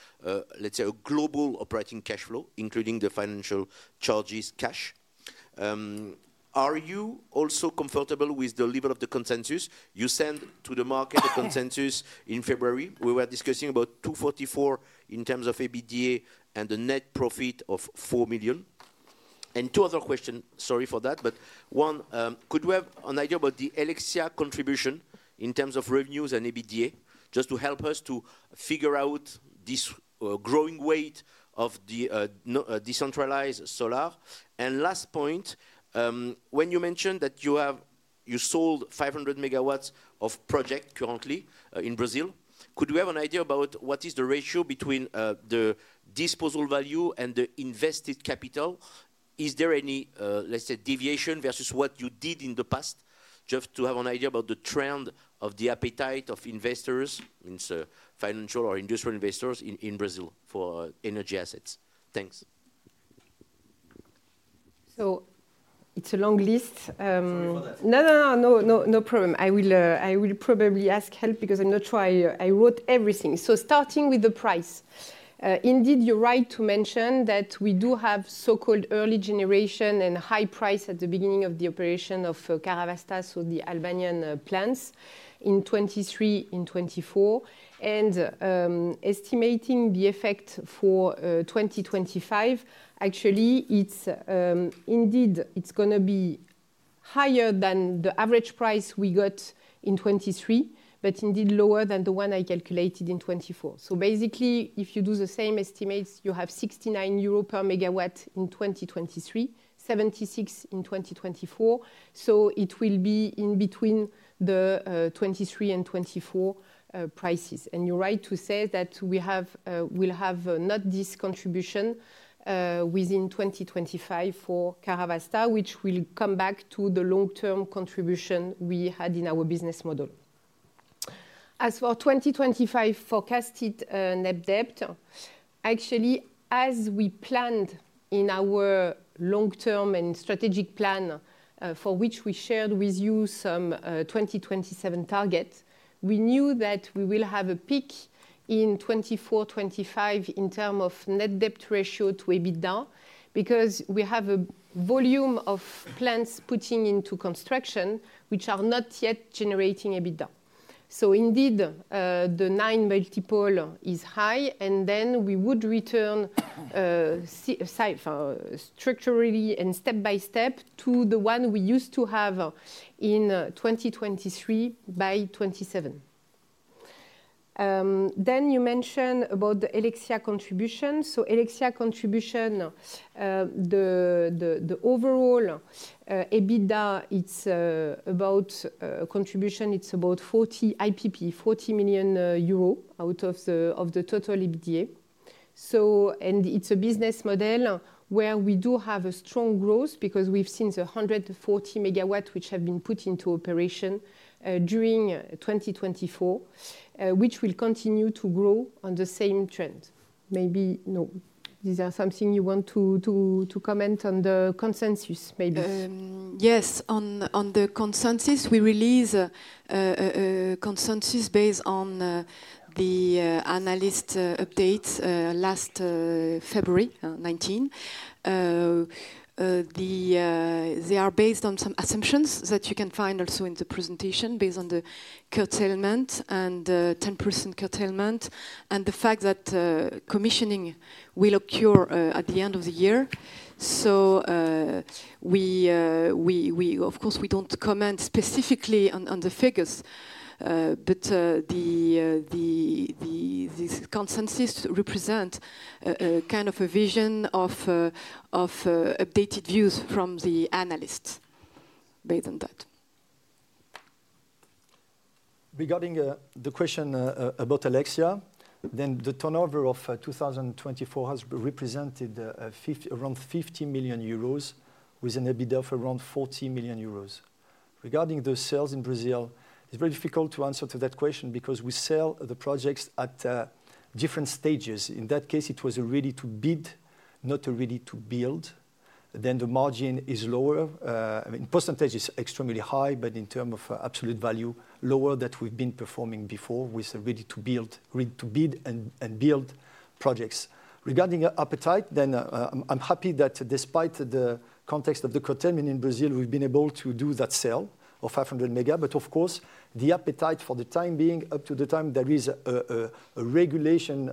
Speaker 6: let's say, a global operating cash flow, including the financial charges cash? Are you also comfortable with the level of the consensus? You sent to the market a consensus in February. We were discussing about 244 million in terms of EBITDA and the net profit of 4 million. Two other questions, sorry for that, but one, could we have an idea about the Helexia contribution in terms of revenues and EBITDA, just to help us to figure out this growing weight of the decentralized solar? Last point, when you mentioned that you sold 500 MW of project currently in Brazil, could we have an idea about what is the ratio between the disposal value and the invested capital? Is there any, let's say, deviation versus what you did in the past? Just to have an idea about the trend of the appetite of investors, financial or industrial investors in Brazil for energy assets. Thanks.
Speaker 3: It is a long list. No, no, no, no problem. I will probably ask help because I'm not sure I wrote everything. Starting with the price, indeed, you're right to mention that we do have so-called early generation and high price at the beginning of the operation of Karavasta, so the Albanian plants in 2023, in 2024. Estimating the effect for 2025, actually, indeed, it's going to be higher than the average price we got in 2023, but indeed lower than the one I calculated in 2024. Basically, if you do the same estimates, you have 69 euro per megawatt in 2023, 76 in 2024. It will be in between the 2023 and 2024 prices. You're right to say that we will have not this contribution within 2025 for Karavasta, which will come back to the long-term contribution we had in our business model. As for 2025 forecasted net debt, actually, as we planned in our long-term and strategic plan for which we shared with you some 2027 targets, we knew that we will have a peak in 2024-2025 in terms of net debt ratio to EBITDA because we have a volume of plants putting into construction which are not yet generating EBITDA. Indeed, the nine multiple is high, and we would return structurally and step by step to the one we used to have in 2023 by 2027. You mentioned about the Helexia contribution. Helexia contribution, the overall EBITDA, it is about contribution, it is about 40 IPP, 40 million euro out of the total EBITDA. It is a business model where we do have a strong growth because we have seen the 140 MW which have been put into operation during 2024, which will continue to grow on the same trend. Maybe no, these are something you want to comment on the consensus, maybe. Yes, on the consensus, we released a consensus based on the analyst updates last February 2019. They are based on some assumptions that you can find also in the presentation based on the curtailment and 10% curtailment and the fact that commissioning will occur at the end of the year. Of course, we do not comment specifically on the figures, but this consensus represents kind of a vision of updated views from the analysts based on that.
Speaker 1: Regarding the question about Helexia, then the turnover of 2024 has represented around 50 million euros with an EBITDA of around 40 million euros. Regarding the sales in Brazil, it is very difficult to answer to that question because we sell the projects at different stages. In that case, it was really to bid, not really to build. The margin is lower. In percentage, it's extremely high, but in terms of absolute value, lower than we've been performing before with ready to build and build projects. Regarding appetite, I am happy that despite the context of the curtailment in Brazil, we've been able to do that sale of 500 MW. Of course, the appetite for the time being, up to the time there is a regulation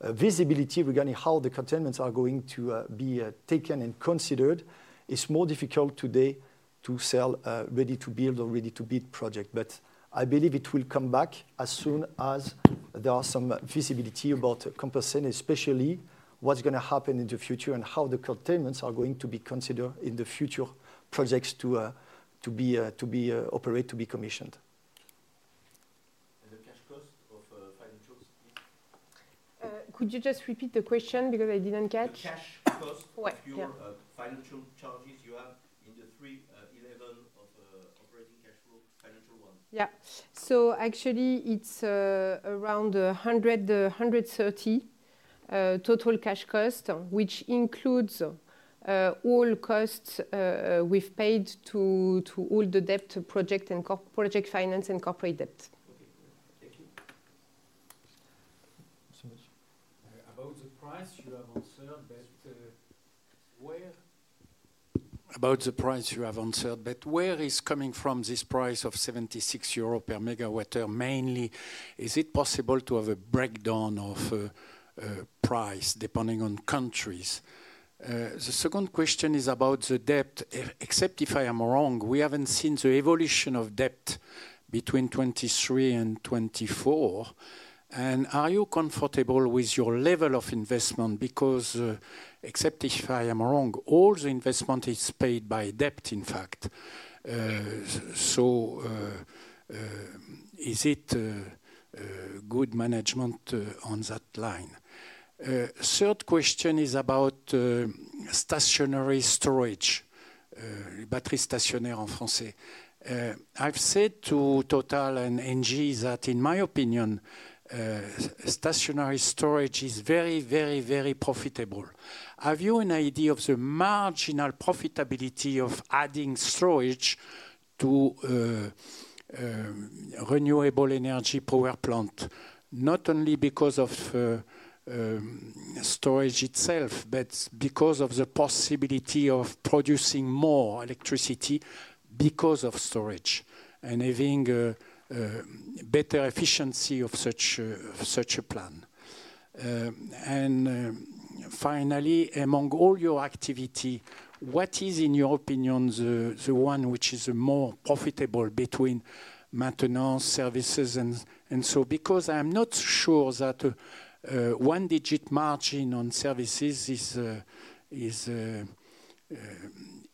Speaker 1: visibility regarding how the curtailments are going to be taken and considered, it's more difficult today to sell ready to build or ready to bid projects. I believe it will come back as soon as there are some visibility about compensation, especially what's going to happen in the future and how the curtailments are going to be considered in the future projects to be operated, to be commissioned. The cash cost of financials, please.
Speaker 3: Could you just repeat the question because I didn't catch?
Speaker 6: Cash cost, if you add financial charges, you have in the 311 of operating cash flow, financial one.
Speaker 3: Yeah. Actually, it's around 130 million total cash cost, which includes all costs we've paid to all the debt project and project finance and corporate debt. Thank you so much. About the price, you have answered, but where? About the price, you have answered, but where is coming from this price of 76 euro per MW-hour mainly? Is it possible to have a breakdown of price depending on countries? The second question is about the debt, except if I am wrong, we haven't seen the evolution of debt between 2023 and 2024. Are you comfortable with your level of investment? Because, except if I am wrong, all the investment is paid by debt, in fact. Is it good management on that line? Third question is about stationary storage, battery stationnaire en français. I've said to Total and Engie that, in my opinion, stationary storage is very, very, very profitable. Have you an idea of the marginal profitability of adding storage to renewable energy power plant, not only because of storage itself, but because of the possibility of producing more electricity because of storage and having a better efficiency of such a plan? Finally, among all your activity, what is, in your opinion, the one which is more profitable between maintenance services and so? Because I'm not sure that one-digit margin on services is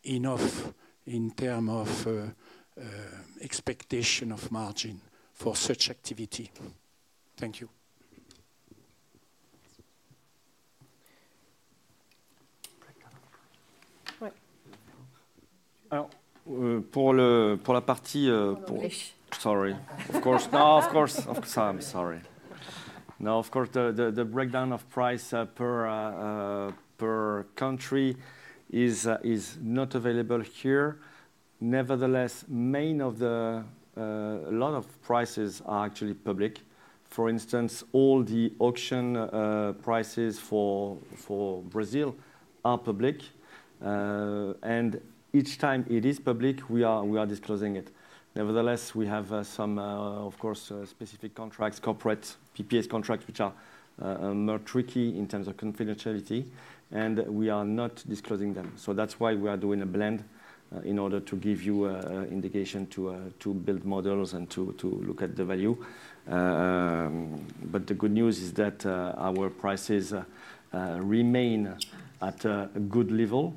Speaker 3: enough in terms of expectation of margin for such activity. Thank you.
Speaker 1: Sorry. Of course. No, of course. I'm sorry. No, of course, the breakdown of price per country is not available here. Nevertheless, many of the lot of prices are actually public. For instance, all the auction prices for Brazil are public. Each time it is public, we are disclosing it. Nevertheless, we have some, of course, specific contracts, corporate PPA contracts, which are more tricky in terms of confidentiality. We are not disclosing them. That is why we are doing a blend in order to give you an indication to build models and to look at the value. The good news is that our prices remain at a good level.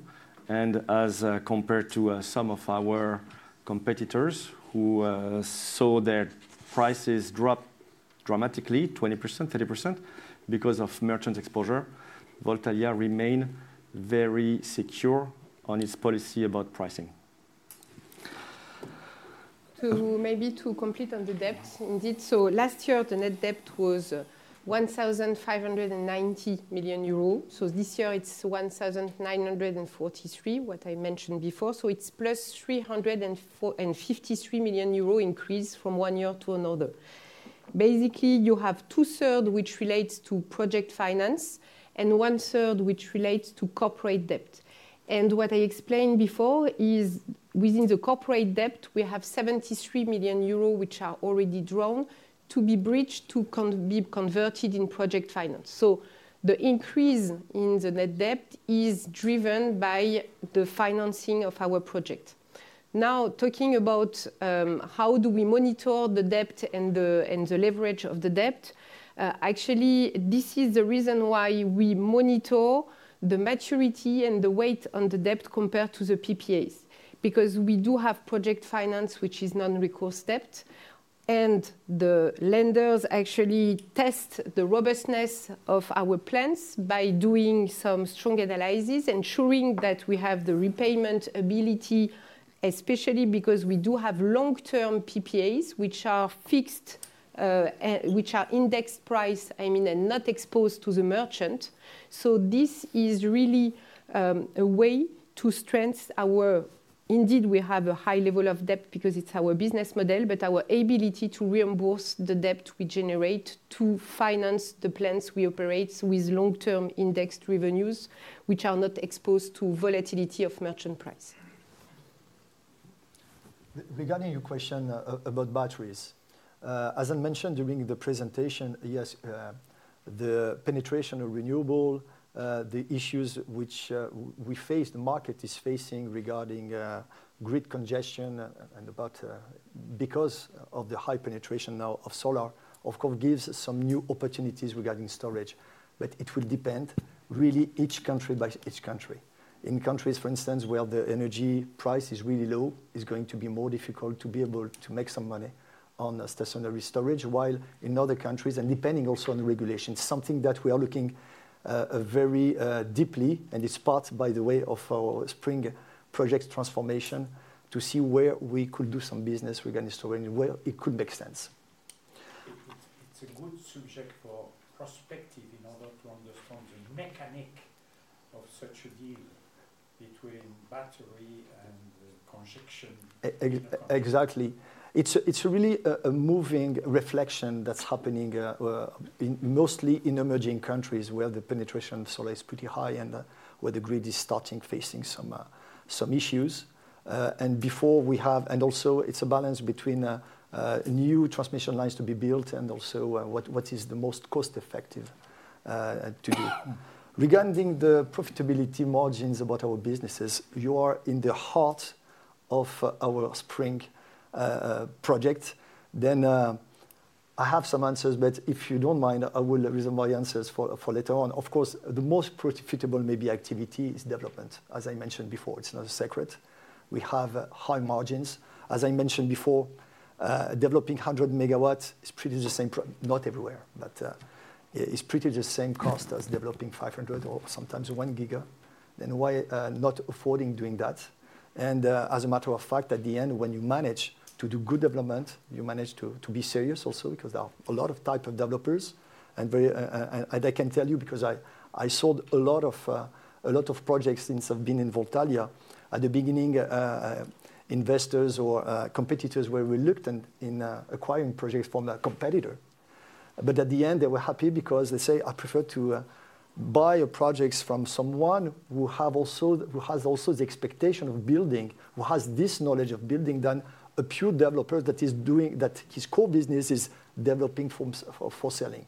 Speaker 1: As compared to some of our competitors who saw their prices drop dramatically, 20%-30%, because of merchant exposure, Voltalia remains very secure on its policy about pricing.
Speaker 3: Maybe to complete on the debt, indeed, last year, the net debt was 1,590 million euros. This year, it is 1,943 million, what I mentioned before. It is plus 353 million euros increase from one year to another. Basically, you have two-thirds, which relates to project finance, and one-third, which relates to corporate debt. What I explained before is within the corporate debt, we have 73 million euros, which are already drawn to be bridged to be converted in project finance. The increase in the net debt is driven by the financing of our project. Now, talking about how do we monitor the debt and the leverage of the debt, actually, this is the reason why we monitor the maturity and the weight on the debt compared to the PPAs. Because we do have project finance, which is non-recourse debt. The lenders actually test the robustness of our plants by doing some strong analysis and ensuring that we have the repayment ability, especially because we do have long-term PPAs, which are fixed, which are indexed price, I mean, and not exposed to the merchant. This is really a way to strengthen our, indeed, we have a high level of debt because it is our business model, but our ability to reimburse the debt we generate to finance the plants we operate with long-term indexed revenues, which are not exposed to volatility of merchant price.
Speaker 2: Regarding your question about batteries, as I mentioned during the presentation, yes, the penetration of renewable, the issues which we face, the market is facing regarding grid congestion and because of the high penetration now of solar, of course, gives some new opportunities regarding storage. It will depend really each country by each country. In countries, for instance, where the energy price is really low, it's going to be more difficult to be able to make some money on stationary storage, while in other countries, and depending also on the regulation, something that we are looking very deeply, and it's part, by the way, of our SPRING transformation plan to see where we could do some business regarding storage, where it could make sense. It's a good subject for perspective in order to understand the mechanic of such a deal between battery and congestion.
Speaker 1: Exactly. It's really a moving reflection that's happening mostly in emerging countries where the penetration of solar is pretty high and where the grid is starting facing some issues. Before we have, and also it's a balance between new transmission lines to be built and also what is the most cost-effective to do. Regarding the profitability margins about our businesses, you are in the heart of our SPRING project. I have some answers, but if you do not mind, I will reserve my answers for later on. Of course, the most profitable maybe activity is development. As I mentioned before, it is not a secret. We have high margins. As I mentioned before, developing 100 MW is pretty much the same, not everywhere, but it is pretty much the same cost as developing 500 or sometimes 1 giga. Why not affording doing that? As a matter of fact, at the end, when you manage to do good development, you manage to be serious also because there are a lot of types of developers. I can tell you because I sold a lot of projects since I have been in Voltalia. At the beginning, investors or competitors were reluctant in acquiring projects from a competitor. At the end, they were happy because they say, "I prefer to buy projects from someone who has also the expectation of building, who has this knowledge of building than a pure developer that his core business is developing for selling."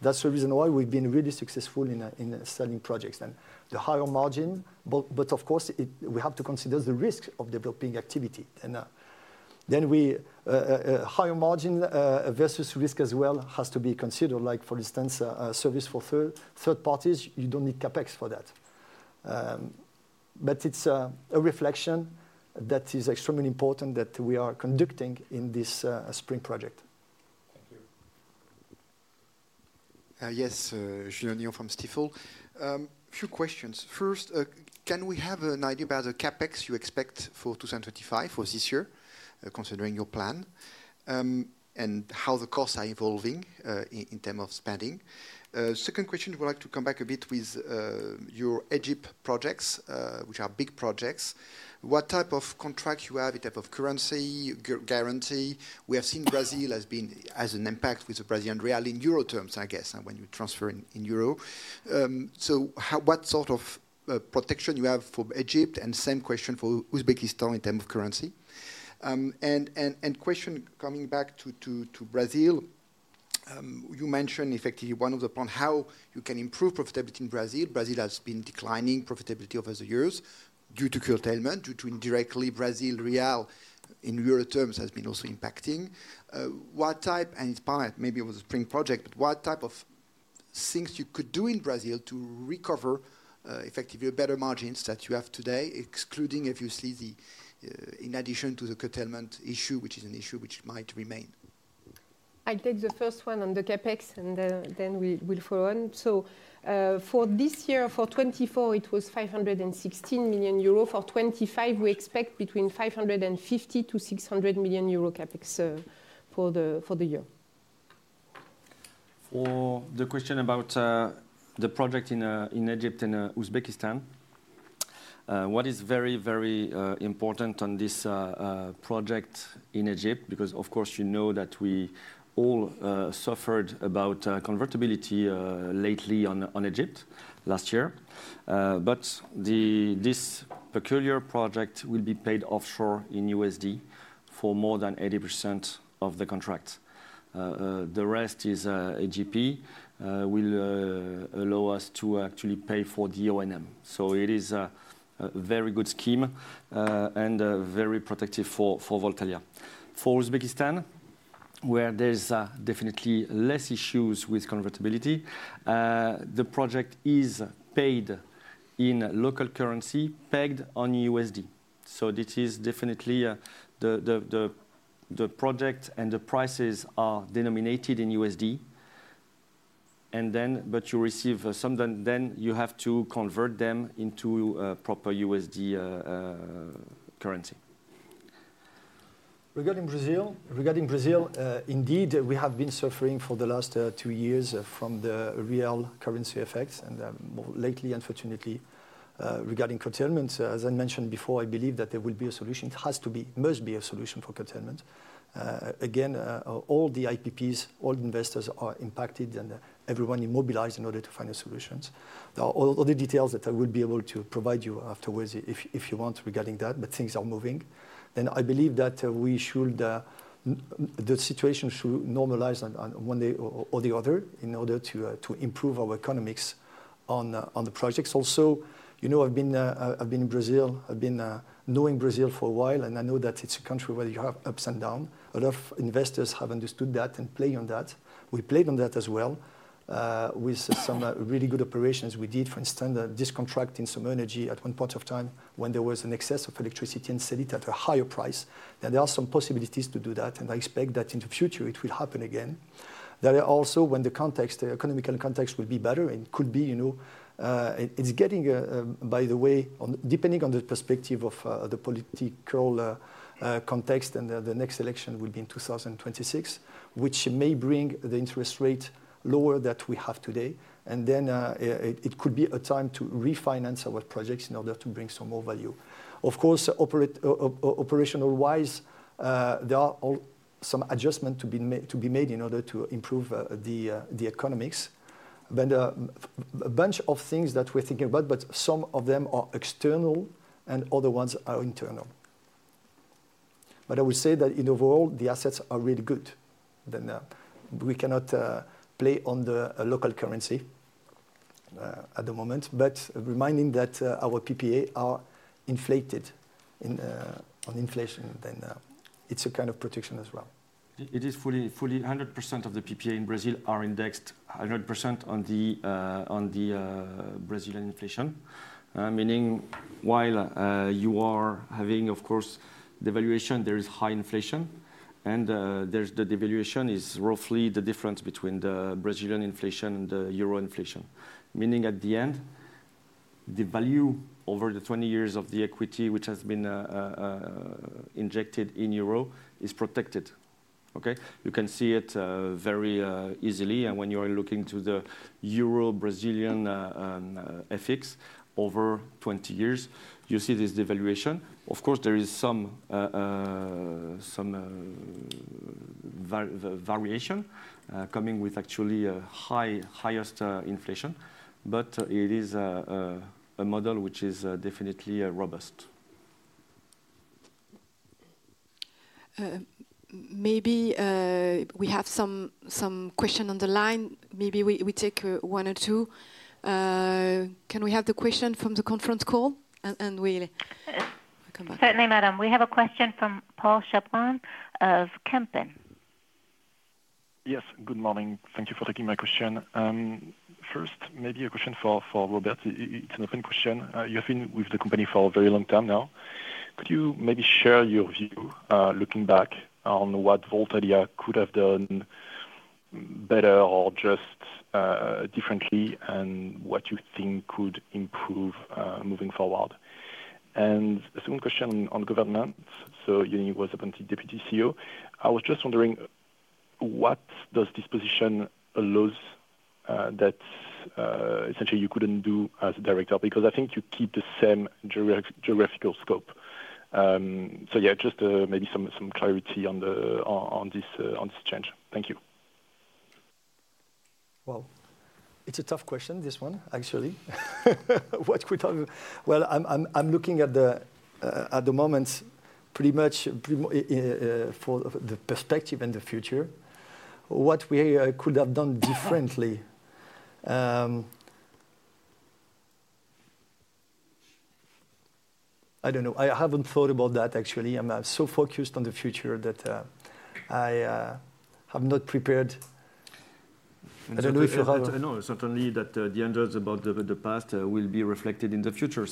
Speaker 1: That's the reason why we've been really successful in selling projects and the higher margin. Of course, we have to consider the risk of developing activity. Higher margin versus risk as well has to be considered. Like for instance, service for third parties, you don't need CapEx for that. It's a reflection that is extremely important that we are conducting in this SPRING project.
Speaker 7: Yes, Julian Pino from Stifel. A few questions. First, can we have an idea about the CapEx you expect for 2025, for this year, considering your plan, and how the costs are evolving in terms of spending? Second question, we'd like to come back a bit with your Egypt projects, which are big projects. What type of contract you have, the type of currency, guarantee? We have seen Brazil has been has an impact with the Brazilian real in euro terms, I guess, when you transfer in euro. What sort of protection you have for Egypt? Same question for Uzbekistan in terms of currency. Question coming back to Brazil, you mentioned effectively one of the points, how you can improve profitability in Brazil. Brazil has been declining profitability over the years due to curtailment, due to indirectly Brazil real in euro terms has been also impacting. What type, and it is part maybe it was a SPRING project, but what type of things you could do in Brazil to recover effectively better margins that you have today, excluding if you see the, in addition to the curtailment issue, which is an issue which might remain?
Speaker 3: I'll take the first one on the CapEx, and then we'll follow on. For this year, for 2024, it was 516 million euro. For 2025, we expect between 550 million-600 million euro CapEx for the year.
Speaker 2: The question about the project in Egypt and Uzbekistan, what is very, very important on this project in Egypt? Because of course, you know that we all suffered about convertibility lately on Egypt last year. This particular project will be paid offshore in USD for more than 80% of the contract. The rest is AGP will allow us to actually pay for DONM. It is a very good scheme and very protective for Voltalia. For Uzbekistan, where there is definitely less issues with convertibility, the project is paid in local currency, pegged on USD. This is definitely the project and the prices are denominated in USD. You receive some, then you have to convert them into proper USD currency.
Speaker 1: Regarding Brazil, indeed, we have been suffering for the last two years from the real currency effects. Lately, unfortunately, regarding curtailment, as I mentioned before, I believe that there will be a solution. It has to be, must be a solution for curtailment. Again, all the IPPs, all the investors are impacted and everyone immobilized in order to find a solution. There are all the details that I will be able to provide you afterwards if you want regarding that, but things are moving. I believe that we should, the situation should normalize one day or the other in order to improve our economics on the projects. Also, you know, I've been in Brazil, I've been knowing Brazil for a while, and I know that it's a country where you have ups and downs. A lot of investors have understood that and played on that. We played on that as well with some really good operations we did. For instance, this contract in some energy at one point of time when there was an excess of electricity and sell it at a higher price. There are some possibilities to do that, and I expect that in the future it will happen again. There are also, when the context, the economical context will be better, it could be, you know, it's getting, by the way, depending on the perspective of the political context, and the next election will be in 2026, which may bring the interest rate lower than we have today. It could be a time to refinance our projects in order to bring some more value. Of course, operational-wise, there are some adjustments to be made in order to improve the economics. A bunch of things that we're thinking about, but some of them are external and other ones are internal. I would say that in overall, the assets are really good. We cannot play on the local currency at the moment, but reminding that our PPA are inflated on inflation, then it's a kind of protection as well.
Speaker 2: It is fully, fully 100% of the PPA in Brazil are indexed 100% on the Brazilian inflation, meaning while you are having, of course, devaluation, there is high inflation. The devaluation is roughly the difference between the Brazilian inflation and the euro inflation, meaning at the end, the value over the 20 years of the equity, which has been injected in euro, is protected. Okay, you can see it very easily. When you are looking to the euro-Brazilian FX over 20 years, you see this devaluation. Of course, there is some variation coming with actually a high, highest inflation, but it is a model which is definitely robust.
Speaker 3: Maybe we have some questions on the line. Maybe we take one or two. Can we have the question from the conference call? We will come back.
Speaker 4: Certainly, madam. We have a question from Paul Gerla of Kempen.
Speaker 8: Yes, good morning. Thank you for taking my question. First, maybe a question for Robert. It's an open question. You've been with the company for a very long time now. Could you maybe share your view looking back on what Voltalia could have done better or just differently and what you think could improve moving forward? A second question on governance. You were a Deputy CEO. I was just wondering, what does this position allow that essentially you could not do as a director? Because I think you keep the same geographical scope. Just maybe some clarity on this change. Thank you.
Speaker 1: It's a tough question, this one, actually. What could I do? I'm looking at the moments pretty much for the perspective and the future. What we could have done differently? I do not know. I have not thought about that, actually. I'm so focused on the future that I have not prepared. I don't know if you have.
Speaker 8: No, certainly that the end results about the past will be reflected in the future.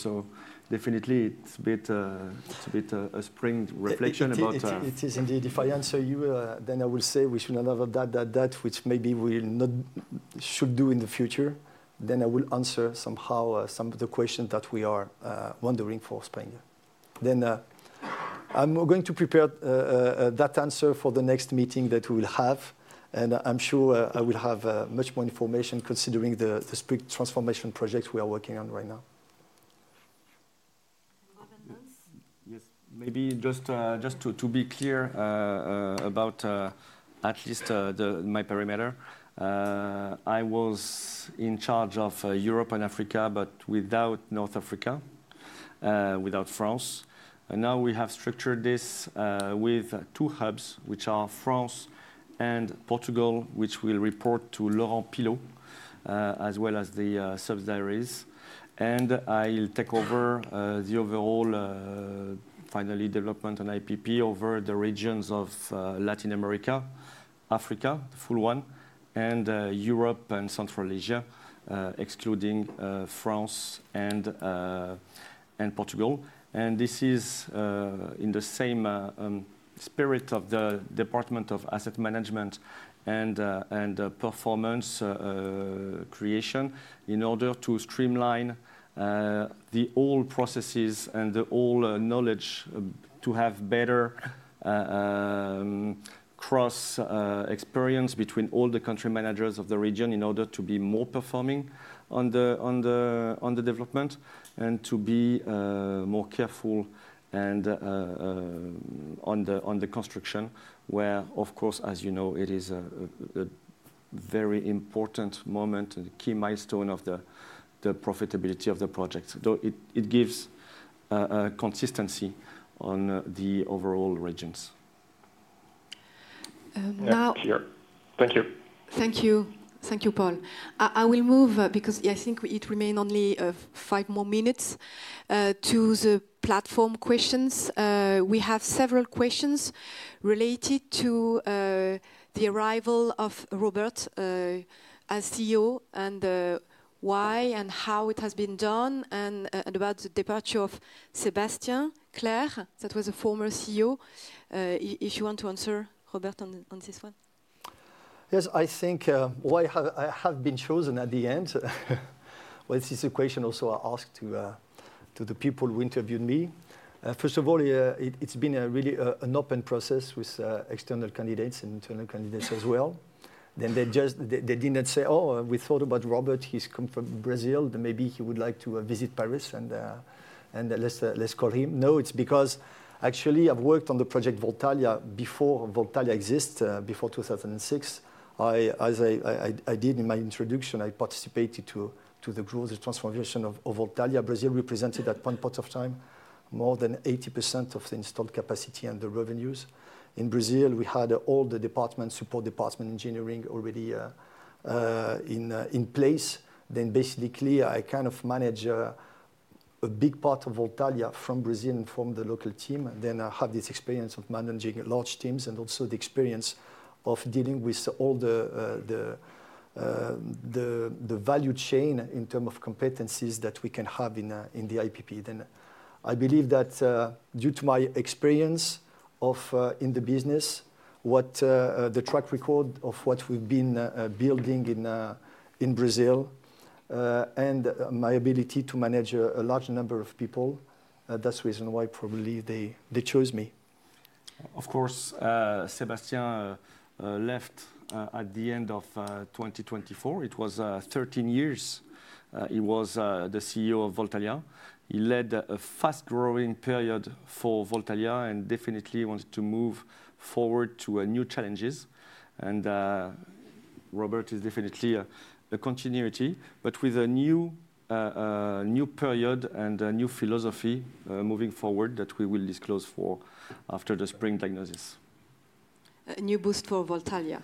Speaker 8: Definitely, it's a bit a SPRING reflection about.
Speaker 1: It is indeed. If I answer you, then I will say we should not have done that, which maybe we should do in the future. I will answer somehow some of the questions that we are wondering for Spain. I am going to prepare that answer for the next meeting that we will have. I am sure I will have much more information considering the SPRING transformation project we are working on right now.
Speaker 2: Yes, maybe just to be clear about at least my perimeter. I was in charge of Europe and Africa, but without North Africa, without France. We have structured this with two hubs, which are France and Portugal, which will report to Laurent Pillot, as well as the subsidiaries. I'll take over the overall finally development and IPP over the regions of Latin America, Africa, the full one, and Europe and Central Asia, excluding France and Portugal. This is in the same spirit of the Department of Asset Management and Performance Creation in order to streamline the old processes and the old knowledge to have better cross-experience between all the country managers of the region in order to be more performing on the development and to be more careful and on the construction, where, of course, as you know, it is a very important moment and key milestone of the profitability of the project. It gives consistency on the overall regions. Now.
Speaker 8: Thank you.
Speaker 3: Thank you. Thank you, Paul. I will move because I think it remains only five more minutes to the platform questions. We have several questions related to the arrival of Robert as CEO and why and how it has been done and about the departure of Sébastien Clerc, that was a former CEO. If you want to answer, Robert, on this one.
Speaker 1: Yes, I think why I have been chosen at the end, well, it's a question also I asked to the people who interviewed me. First of all, it's been really an open process with external candidates and internal candidates as well. They did not say, "Oh, we thought about Robert. He's come from Brazil. Maybe he would like to visit Paris and let's call him." No, it's because actually I've worked on the project Voltalia before Voltalia existed, before 2006. As I did in my introduction, I participated to the growth and transformation of Voltalia. Brazil represented at one point of time more than 80% of the installed capacity and the revenues. In Brazil, we had all the departments, support department, engineering already in place. Basically, I kind of manage a big part of Voltalia from Brazil and from the local team. I have this experience of managing large teams and also the experience of dealing with all the value chain in terms of competencies that we can have in the IPP. I believe that due to my experience in the business, the track record of what we've been building in Brazil and my ability to manage a large number of people, that's the reason why probably they chose me. Of course, Sébastien left at the end of 2024. It was 13 years he was the CEO of Voltalia. He led a fast-growing period for Voltalia and definitely wanted to move forward to new challenges. Robert is definitely a continuity, but with a new period and a new philosophy moving forward that we will disclose after the SPRING diagnosis.
Speaker 3: A new boost for Voltalia.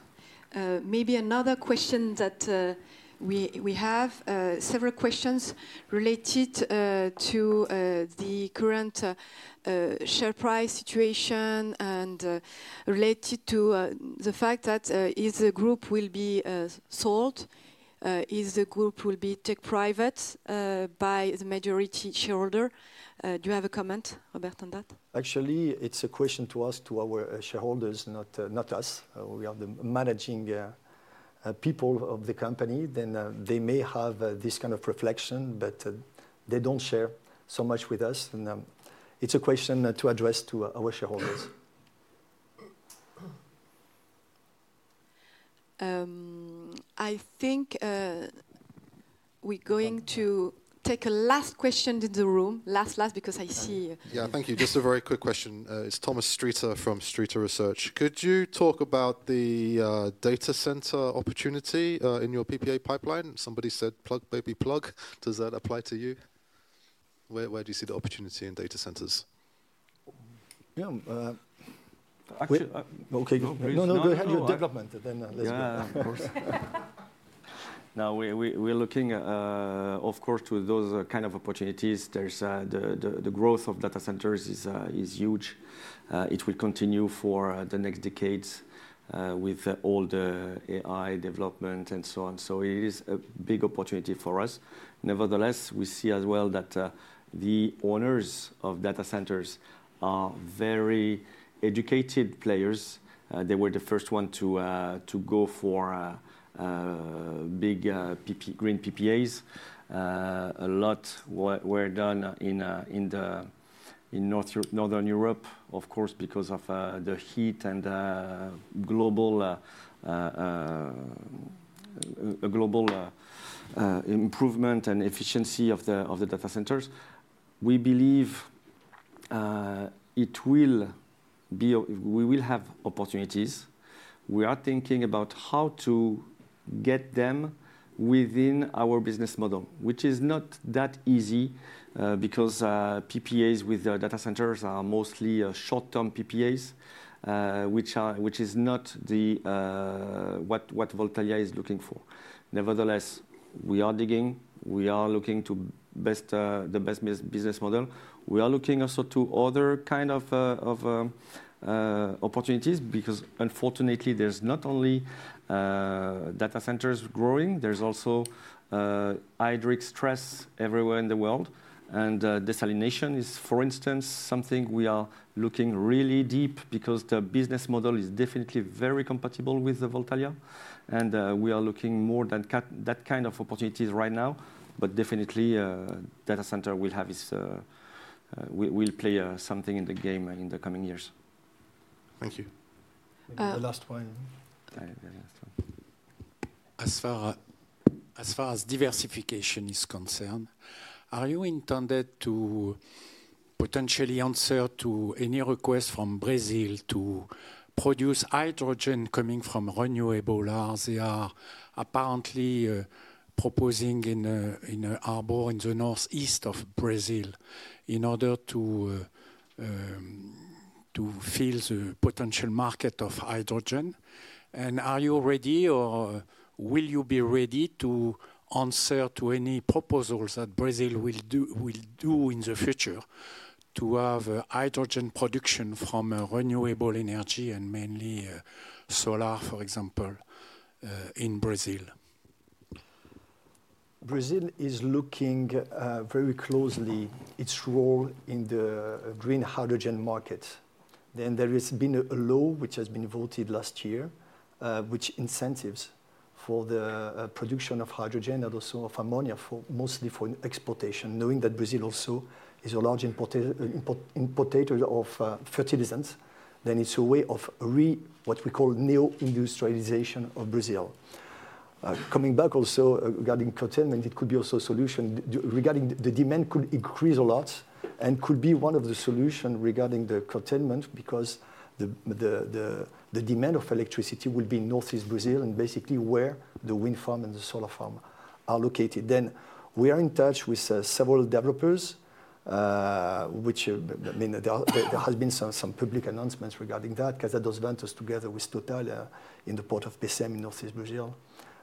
Speaker 3: Maybe another question that we have, several questions related to the current share price situation and related to the fact that if the group will be sold, if the group will be taken private by the majority shareholder. Do you have a comment, Robert, on that?
Speaker 1: Actually, it is a question to us, to our shareholders, not us. We are the managing people of the company. They may have this kind of reflection, but they do not share so much with us. It is a question to address to our shareholders.
Speaker 3: I think we're going to take a last question to the room. Last, last, because I see.
Speaker 9: Yeah, thank you. Just a very quick question. It's Thomas Stephan from Stifel Research. Could you talk about the data center opportunity in your PPA pipeline? Somebody said plug, baby plug. Does that apply to you? Where do you see the opportunity in data centers?
Speaker 1: Yeah. Actually, okay, go ahead. No, no, go ahead. Development, and then there's a question. Yeah, of course. Now, we're looking, of course, to those kinds of opportunities. The growth of data centers is huge. It will continue for the next decades with all the AI development and so on. It is a big opportunity for us. Nevertheless, we see as well that the owners of data centers are very educated players. They were the first ones to go for big green PPAs. A lot were done in Northern Europe, of course, because of the heat and global improvement and efficiency of the data centers. We believe we will have opportunities. We are thinking about how to get them within our business model, which is not that easy because PPAs with data centers are mostly short-term PPAs, which is not what Voltalia is looking for. Nevertheless, we are digging. We are looking to the best business model. We are looking also to other kinds of opportunities because, unfortunately, there is not only data centers growing. There is also hydric stress everywhere in the world. Desalination is, for instance, something we are looking really deep because the business model is definitely very compatible with Voltalia. We are looking more than that kind of opportunities right now, but definitely data center will have its will play something in the game in the coming years. Thank you.
Speaker 9: The last one. As far as diversification is concerned, are you intended to potentially answer to any request from Brazil to produce hydrogen coming from renewable? They are apparently proposing in Arbor, in the northeast of Brazil, in order to fill the potential market of hydrogen. Are you ready or will you be ready to answer to any proposals that Brazil will do in the future to have hydrogen production from renewable energy and mainly solar, for example, in Brazil?
Speaker 1: Brazil is looking very closely at its role in the green hydrogen market.
Speaker 3: There has been a law which has been voted last year, which incentives for the production of hydrogen and also of ammonia, mostly for exportation, knowing that Brazil also is a large importer of fertilizants. It is a way of what we call neo-industrialization of Brazil. Coming back also regarding curtailment, it could be also a solution. Regarding the demand, it could increase a lot and could be one of the solutions regarding the curtailment because the demand of electricity will be in northeast Brazil and basically where the wind farm and the solar farm are located. We are in touch with several developers, which there has been some public announcements regarding that. Casa dos Ventos together with Total in the Porto do Pecém in northeast Brazil.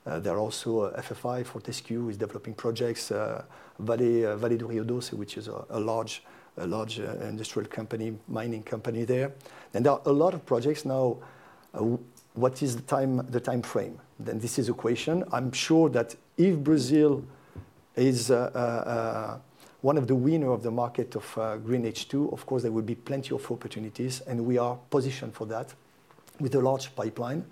Speaker 3: There are also FFI for Tesco who is developing projects, Vale do Rio Doce, which is a large industrial company, mining company there. There are a lot of projects now. What is the time frame? This is a question. I'm sure that if Brazil is one of the winners of the market of green H2, of course, there will be plenty of opportunities and we are positioned for that with a large pipeline.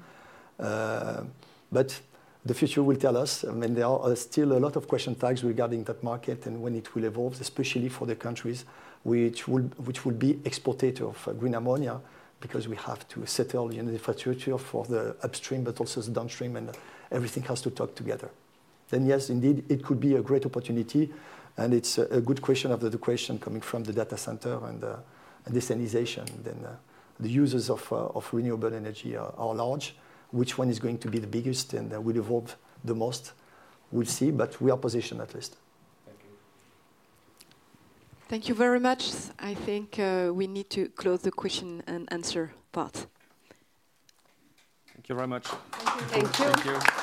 Speaker 3: The future will tell us. I mean, there are still a lot of question tags regarding that market and when it will evolve, especially for the countries which will be exportators of green ammonia because we have to settle the infrastructure for the upstream, but also the downstream and everything has to talk together. Yes, indeed, it could be a great opportunity. It is a good question, the question coming from the data center and desalinization. The users of renewable energy are large. Which one is going to be the biggest and will evolve the most? We will see, but we are positioned at least. Thank you very much. I think we need to close the question and answer part.
Speaker 1: Thank you very much.
Speaker 2: Thank you. Thank you.